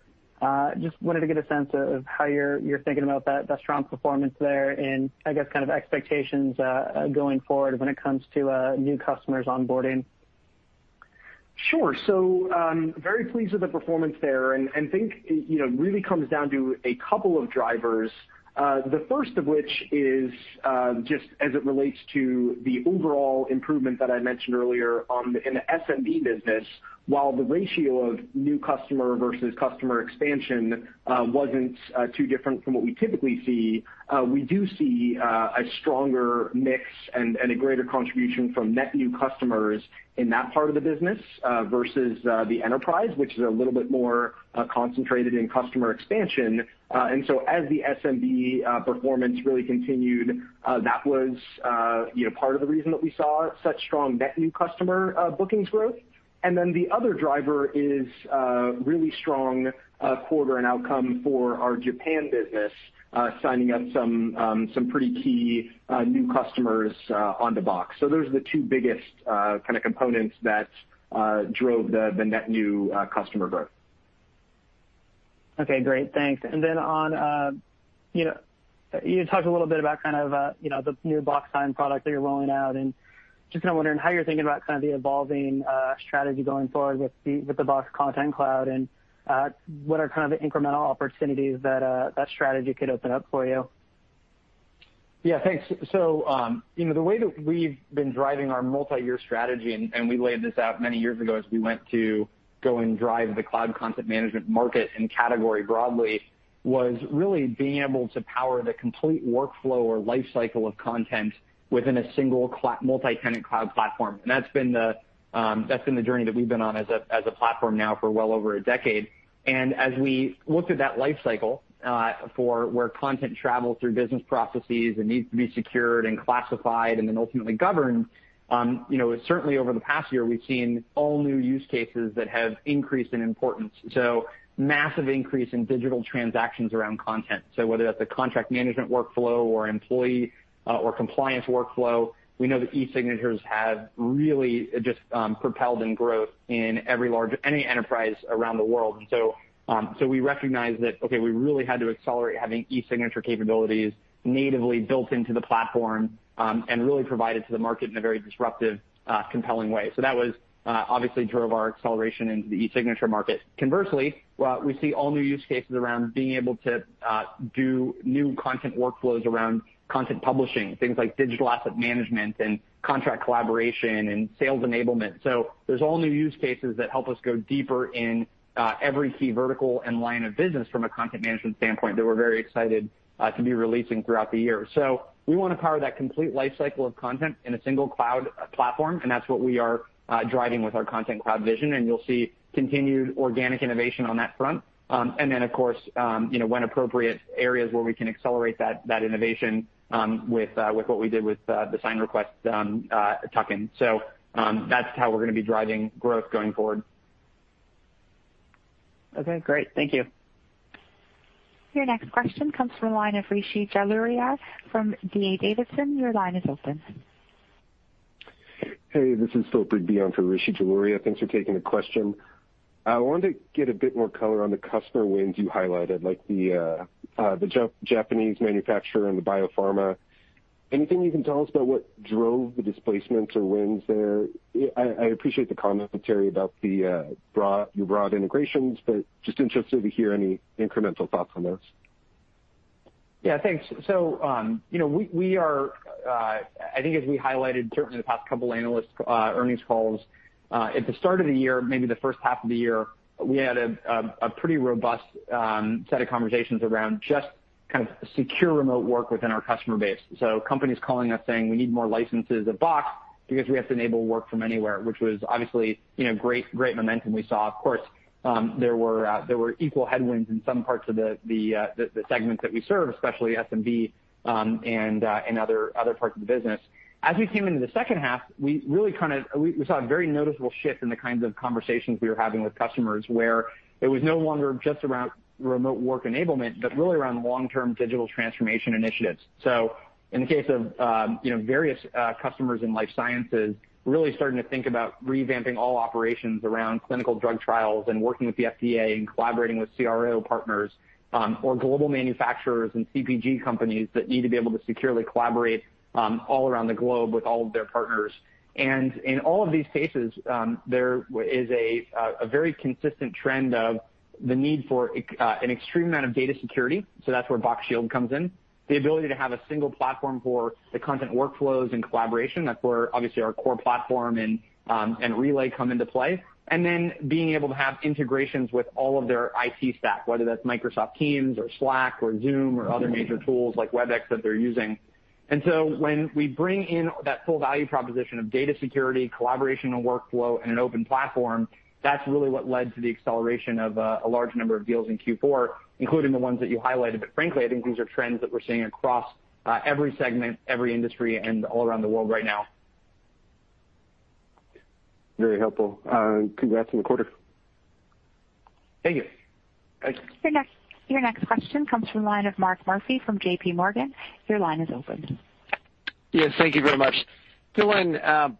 Just wanted to get a sense of how you're thinking about that strong performance there and, I guess, kind of expectations going forward when it comes to new customers onboarding.
Sure. Very pleased with the performance there, and think it really comes down to a couple of drivers. The first of which is just as it relates to the overall improvement that I mentioned earlier in the SMB business. While the ratio of new customer versus customer expansion wasn't too different from what we typically see, we do see a stronger mix and a greater contribution from net new customers in that part of the business versus the enterprise, which is a little bit more concentrated in customer expansion. As the SMB performance really continued, that was part of the reason that we saw such strong net new customer bookings growth. The other driver is a really strong quarter and outcome for our Japan business, signing up some pretty key new customers onto Box. Those are the two biggest kind of components that drove the net new customer growth.
Okay, great. Thanks. You talked a little bit about the new Box Sign product that you're rolling out, and just kind of wondering how you're thinking about kind of the evolving strategy going forward with the Box Content Cloud, and what are kind of the incremental opportunities that that strategy could open up for you?
Yeah, thanks. The way that we've been driving our multi-year strategy, and we laid this out many years ago as we went to go and drive the cloud content management market and category broadly, was really being able to power the complete workflow or life cycle of content within a single multi-tenant cloud platform. That's been the journey that we've been on as a platform now for well over a decade. As we look at that life cycle, for where content travels through business processes and needs to be secured and classified and then ultimately governed, certainly over the past year, we've seen all new use cases that have increased in importance. Massive increase in digital transactions around content. Whether that's a contract management workflow or employee or compliance workflow, we know that e-signatures have really just propelled in growth in any enterprise around the world. We recognized that, okay, we really had to accelerate having e-signature capabilities natively built into the platform, and really provide it to the market in a very disruptive, compelling way. That obviously drove our acceleration into the e-signature market. Conversely, we see all new use cases around being able to do new content workflows around content publishing, things like digital asset management and contract collaboration and sales enablement. There's all new use cases that help us go deeper in every key vertical and line of business from a content management standpoint that we're very excited to be releasing throughout the year. We want to power that complete life cycle of content in a single cloud platform, and that's what we are driving with our content cloud vision, and you'll see continued organic innovation on that front. Of course, when appropriate, areas where we can accelerate that innovation with what we did with the SignRequest tuck-in. That's how we're going to be driving growth going forward.
Okay, great. Thank you.
Your next question comes from the line of Rishi Jaluria from D.A. Davidson. Your line is open.
Hey, this is Philip Rigby on for Rishi Jaluria. Thanks for taking the question. I wanted to get a bit more color on the customer wins you highlighted, like the Japanese manufacturer and the biopharma. Anything you can tell us about what drove the displacements or wins there? I appreciate the commentary about your broad integrations, but just interested to hear any incremental thoughts on those.
Yeah, thanks. I think as we highlighted certainly the past couple analyst earnings calls, at the start of the year, maybe the first half of the year, we had a pretty robust set of conversations around just kind of secure remote work within our customer base. Companies calling us saying, "We need more licenses of Box because we have to enable work from anywhere," which was obviously great momentum we saw. Of course, there were equal headwinds in some parts of the segments that we serve, especially SMB and other parts of the business. As we came into the second half, we saw a very noticeable shift in the kinds of conversations we were having with customers, where it was no longer just around remote work enablement, but really around long-term digital transformation initiatives. In the case of various customers in life sciences really starting to think about revamping all operations around clinical drug trials and working with the FDA and collaborating with CRO partners, or global manufacturers and CPG companies that need to be able to securely collaborate all around the globe with all of their partners. In all of these cases, there is a very consistent trend of the need for an extreme amount of data security. That's where Box Shield comes in. The ability to have a single platform for the content workflows and collaboration. That's where obviously our core platform and Relay come into play. Then being able to have integrations with all of their IT stack, whether that's Microsoft Teams or Slack or Zoom or other major tools like Webex that they're using. When we bring in that full value proposition of data security, collaboration, and workflow in an open platform, that's really what led to the acceleration of a large number of deals in Q4, including the ones that you highlighted. Frankly, I think these are trends that we're seeing across every segment, every industry, and all around the world right now.
Very helpful. Congrats on the quarter.
Thank you.
Thanks.
Your next question comes from the line of Mark Murphy from JPMorgan. Your line is open.
Yes. Thank you very much. Dylan,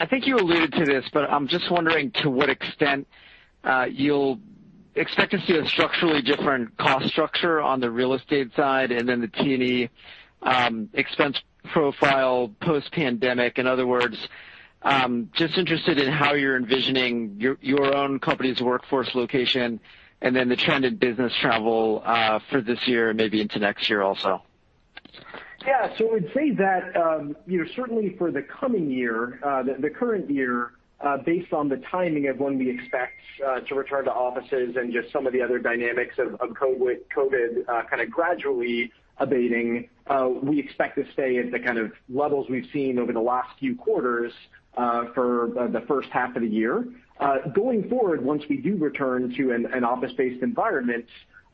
I think you alluded to this, but I'm just wondering to what extent you'll expect to see a structurally different cost structure on the real estate side and then the T&E expense profile post-pandemic. In other words, just interested in how you're envisioning your own company's workforce location and then the trend in business travel for this year and maybe into next year also.
Yeah. I'd say that certainly for the coming year, the current year, based on the timing of when we expect to return to offices and just some of the other dynamics of COVID kind of gradually abating, we expect to stay at the kind of levels we've seen over the last few quarters for the first half of the year. Going forward, once we do return to an office-based environment,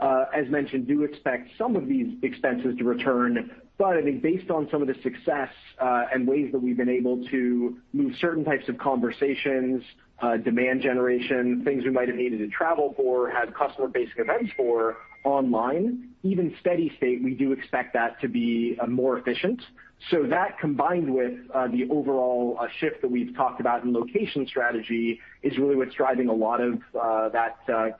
as mentioned, do expect some of these expenses to return. I think based on some of the success, and ways that we've been able to move certain types of conversations, demand generation, things we might have needed to travel for, had customer-based events for online, even steady state, we do expect that to be more efficient. That combined with the overall shift that we've talked about in location strategy is really what's driving a lot of those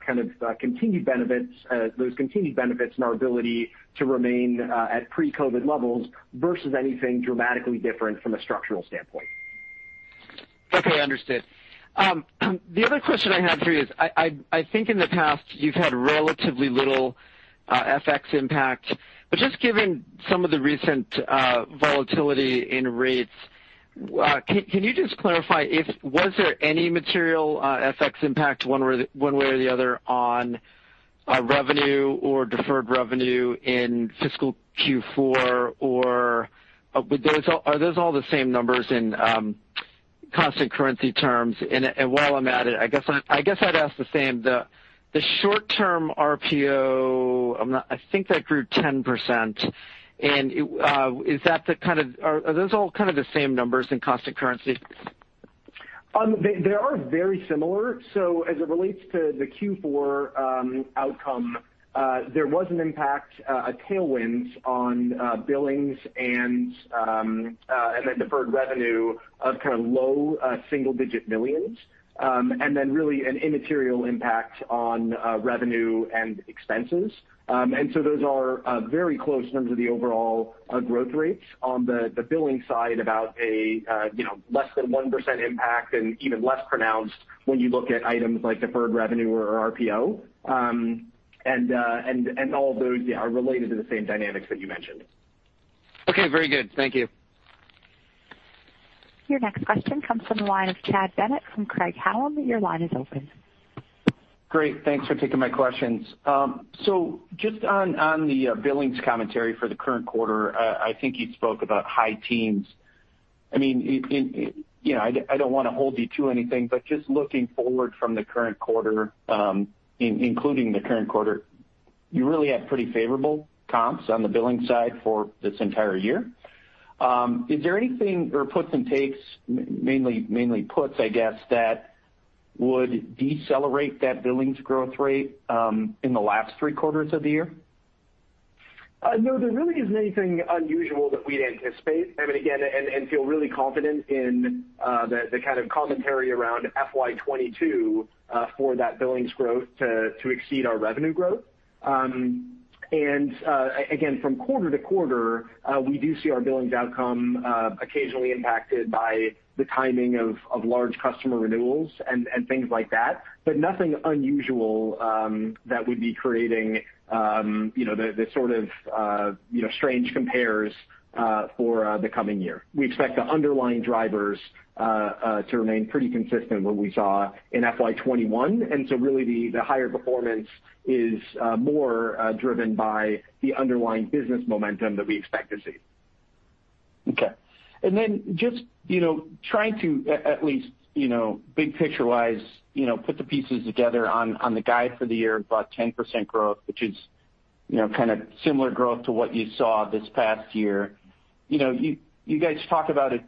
continued benefits and our ability to remain at pre-COVID levels versus anything dramatically different from a structural standpoint.
Okay. Understood. The other question I had for you is, I think in the past you've had relatively little FX impact. Just given some of the recent volatility in rates, can you just clarify, was there any material FX impact one way or the other on revenue or deferred revenue in fiscal Q4? Are those all the same numbers in constant currency terms? While I'm at it, I guess I'd ask the same, the short-term RPO, I think that grew 10%. Are those all kind of the same numbers in constant currency?
They are very similar. As it relates to the Q4 outcome, there was an impact, a tailwind on billings and then deferred revenue of kind of low single-digit millions, and then really an immaterial impact on revenue and expenses. Those are very close in terms of the overall growth rates on the billing side, about less than 1% impact and even less pronounced when you look at items like deferred revenue or RPO. All those are related to the same dynamics that you mentioned.
Okay, very good. Thank you.
Your next question comes from the line of Chad Bennett from Craig-Hallum. Your line is open.
Great. Thanks for taking my questions. Just on the billings commentary for the current quarter, I think you spoke about high teens. I don't want to hold you to anything, but just looking forward from the current quarter, including the current quarter, you really have pretty favorable comps on the billing side for this entire year. Is there anything or puts and takes, mainly puts, I guess, that would decelerate that billings growth rate in the last three quarters of the year?
No, there really isn't anything unusual that we'd anticipate. I mean, again, and feel really confident in the kind of commentary around FY 2022 for that billings growth to exceed our revenue growth. Again, from quarter to quarter, we do see our billings outcome occasionally impacted by the timing of large customer renewals and things like that, but nothing unusual that would be creating the sort of strange compares for the coming year. We expect the underlying drivers to remain pretty consistent what we saw in FY 2021, and so really the higher performance is more driven by the underlying business momentum that we expect to see.
Okay. Just trying to at least big picture-wise put the pieces together on the guide for the year about 10% growth, which is kind of similar growth to what you saw this past year. You guys talk about a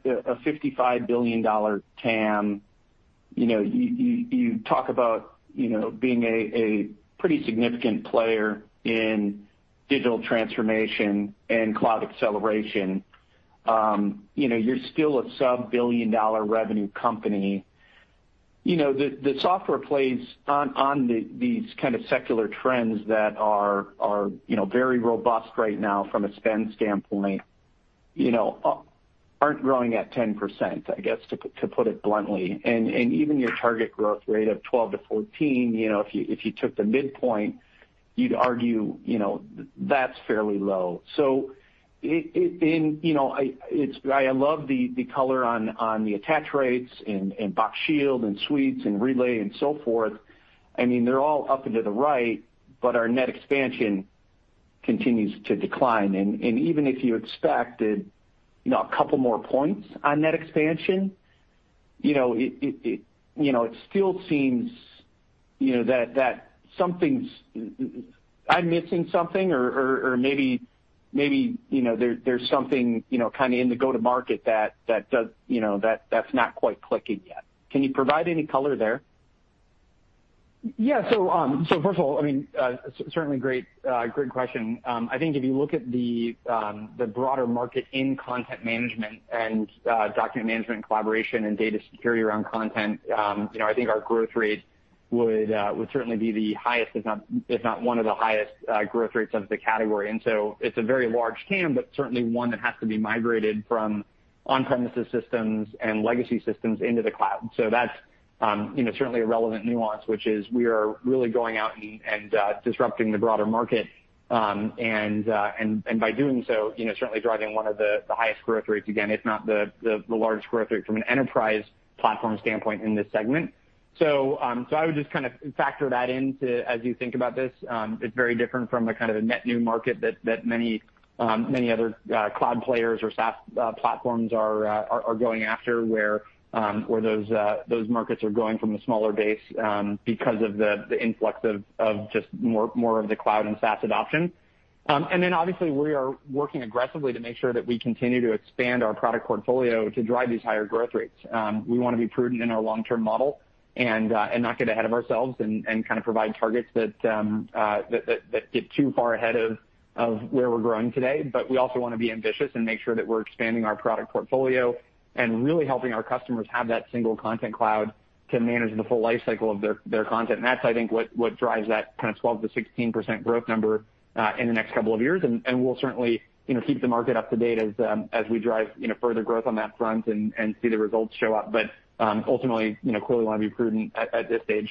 $55 billion TAM. You talk about being a pretty significant player in digital transformation and cloud acceleration. You're still a sub-billion dollar revenue company. The software plays on these kind of secular trends that are very robust right now from a spend standpoint, aren't growing at 10%, I guess to put it bluntly. Even your target growth rate of 12%-14%, if you took the midpoint, you'd argue that's fairly low. I love the color on the attach rates and Box Shield and Suites and Relay and so forth. I mean, they're all up and to the right, our net expansion continues to decline. Even if you expected a couple more points on net expansion, it still seems. that I'm missing something or maybe there's something in the go-to-market that's not quite clicking yet. Can you provide any color there?
Yeah. First of all, certainly great question. I think if you look at the broader market in content management and document management and collaboration and data security around content, I think our growth rate would certainly be the highest, if not one of the highest growth rates of the category. It's a very large TAM, but certainly one that has to be migrated from on-premises systems and legacy systems into the cloud. That's certainly a relevant nuance, which is we are really going out and disrupting the broader market. By doing so, certainly driving one of the highest growth rates, again, if not the largest growth rate from an enterprise platform standpoint in this segment. I would just factor that in as you think about this. It's very different from a kind of a net new market that many other cloud players or SaaS platforms are going after, where those markets are going from a smaller base because of the influx of just more of the cloud and SaaS adoption. Obviously, we are working aggressively to make sure that we continue to expand our product portfolio to drive these higher growth rates. We want to be prudent in our long-term model and not get ahead of ourselves and kind of provide targets that get too far ahead of where we're growing today. We also want to be ambitious and make sure that we're expanding our product portfolio and really helping our customers have that single Content Cloud to manage the full life cycle of their content. That's, I think, what drives that kind of 12%-16% growth number in the next couple of years. We'll certainly keep the market up to date as we drive further growth on that front and see the results show up. Ultimately, clearly want to be prudent at this stage.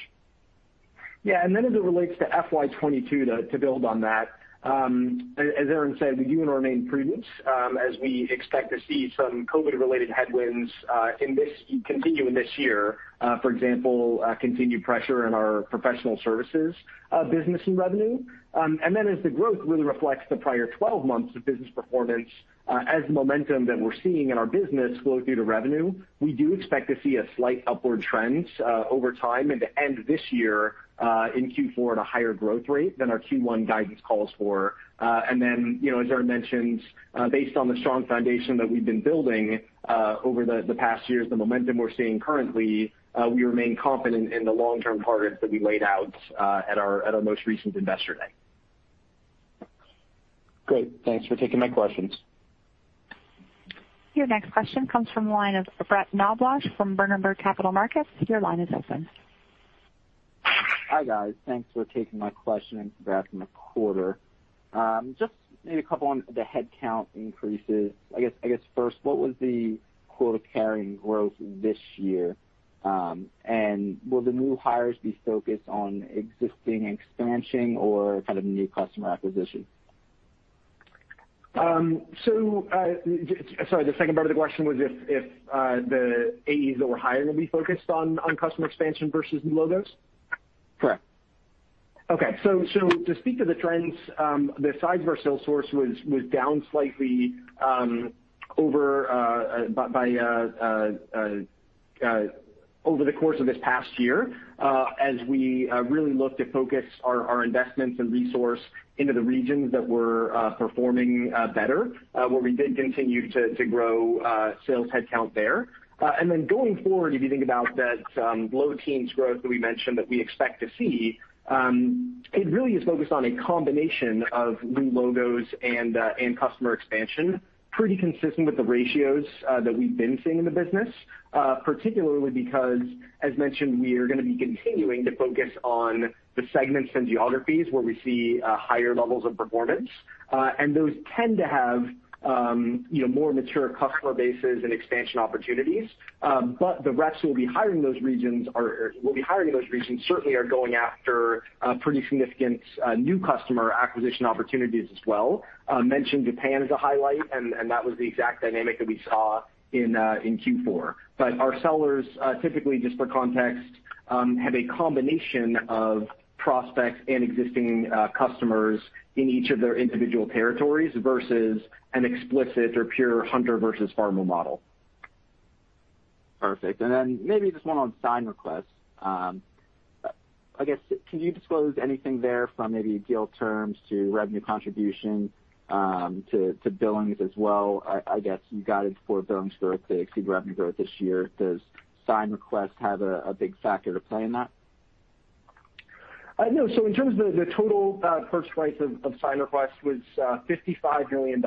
Yeah. As it relates to FY 2022, to build on that, as Aaron said, we do want to remain prudent as we expect to see some COVID-19-related headwinds continue in this year. For example, continued pressure in our professional services business and revenue. As the growth really reflects the prior 12 months of business performance as momentum that we're seeing in our business flow through to revenue, we do expect to see a slight upward trend over time and to end this year in Q4 at a higher growth rate than our Q1 guidance calls for. As Aaron mentioned, based on the strong foundation that we've been building over the past years, the momentum we're seeing currently, we remain confident in the long-term targets that we laid out at our most recent Investor Day.
Great. Thanks for taking my questions.
Your next question comes from the line of Brett Knoblauch from Berenberg Capital Markets. Your line is open.
Hi, guys. Thanks for taking my question. [On the quota]. Just maybe a couple on the headcount increases. I guess first, what was the quota carrying growth this year? Will the new hires be focused on existing expansion or kind of new customer acquisition?
Sorry, the second part of the question was if the AEs that we're hiring will be focused on customer expansion versus new logos?
Correct.
To speak to the trends, the size of our sales force was down slightly over the course of this past year as we really looked to focus our investments and resource into the regions that were performing better, where we did continue to grow sales headcount there. Going forward, if you think about that low teens growth that we mentioned that we expect to see, it really is focused on a combination of new logos and customer expansion, pretty consistent with the ratios that we've been seeing in the business. Particularly because, as mentioned, we are going to be continuing to focus on the segments and geographies where we see higher levels of performance. Those tend to have more mature customer bases and expansion opportunities. The reps we'll be hiring in those regions certainly are going after pretty significant new customer acquisition opportunities as well. Mentioned Japan as a highlight, that was the exact dynamic that we saw in Q4. Our sellers, typically just for context, have a combination of prospects and existing customers in each of their individual territories versus an explicit or pure hunter versus farmer model.
Perfect. Maybe just one on SignRequest. Can you disclose anything there from maybe deal terms to revenue contribution to billings as well? You guided for billings growth to exceed revenue growth this year. Does SignRequest have a big factor to play in that?
No. In terms of the total purchase price of SignRequest was $55 million.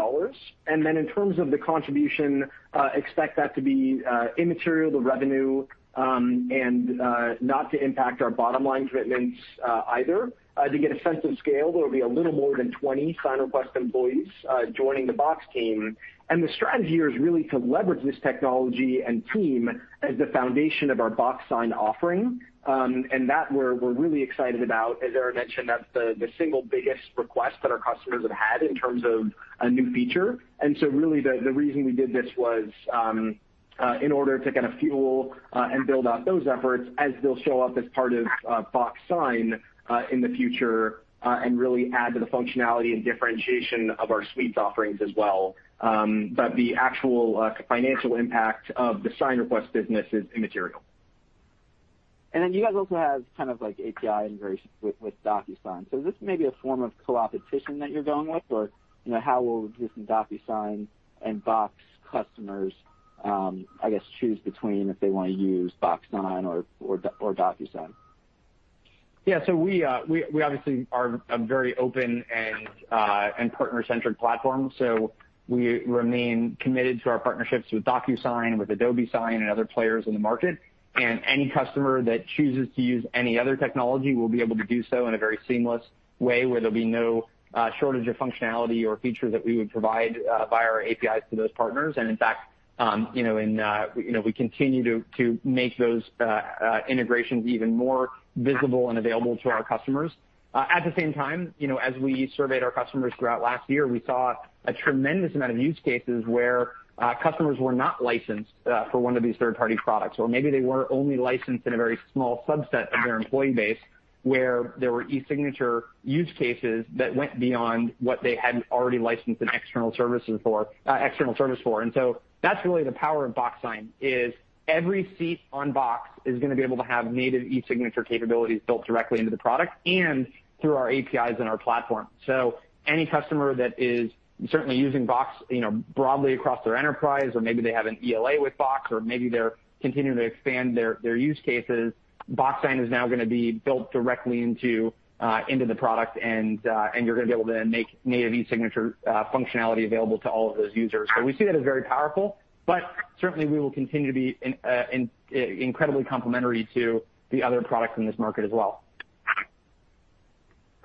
In terms of the contribution, expect that to be immaterial to revenue, and not to impact our bottom line commitments either. To get a sense of scale, there'll be a little more than 20 SignRequest employees joining the Box team. The strategy here is really to leverage this technology and team as the foundation of our Box Sign offering. That we're really excited about. As Aaron mentioned, that's the single biggest request that our customers have had in terms of a new feature. Really the reason we did this was in order to kind of fuel and build out those efforts as they'll show up as part of Box Sign in the future and really add to the functionality and differentiation of our Suites offerings as well.
The actual financial impact of the SignRequest business is immaterial.
You guys also have API integration with DocuSign. Is this maybe a form of co-opetition that you're going with, or how will this DocuSign and Box customers, I guess, choose between if they want to use Box Sign or DocuSign?
We obviously are a very open and partner-centric platform. We remain committed to our partnerships with DocuSign, with Adobe Sign, and other players in the market. Any customer that chooses to use any other technology will be able to do so in a very seamless way, where there'll be no shortage of functionality or features that we would provide via our APIs to those partners. In fact, we continue to make those integrations even more visible and available to our customers. At the same time, as we surveyed our customers throughout last year, we saw a tremendous amount of use cases where customers were not licensed for one of these third-party products, or maybe they were only licensed in a very small subset of their employee base, where there were e-signature use cases that went beyond what they had already licensed an external service for. That's really the power of Box Sign, is every seat on Box is going to be able to have native e-signature capabilities built directly into the product and through our APIs and our platform. Any customer that is certainly using Box broadly across their enterprise, or maybe they have an ELA with Box, or maybe they're continuing to expand their use cases, Box Sign is now going to be built directly into the product, and you're going to be able to make native e-signature functionality available to all of those users. We see that as very powerful, but certainly, we will continue to be incredibly complementary to the other products in this market as well.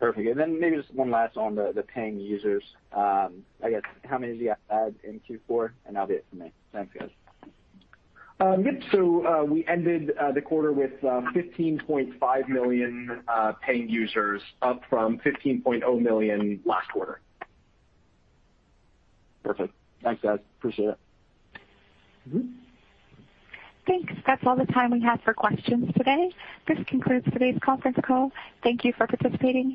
Perfect. Maybe just one last on the paying users. I guess, how many did you add in Q4? That'll be it for me. Thanks, guys.
Good. We ended the quarter with 15.5 million paying users, up from 15.0 million last quarter.
Perfect. Thanks, guys. Appreciate it.
Thanks. That's all the time we have for questions today. This concludes today's conference call. Thank you for participating.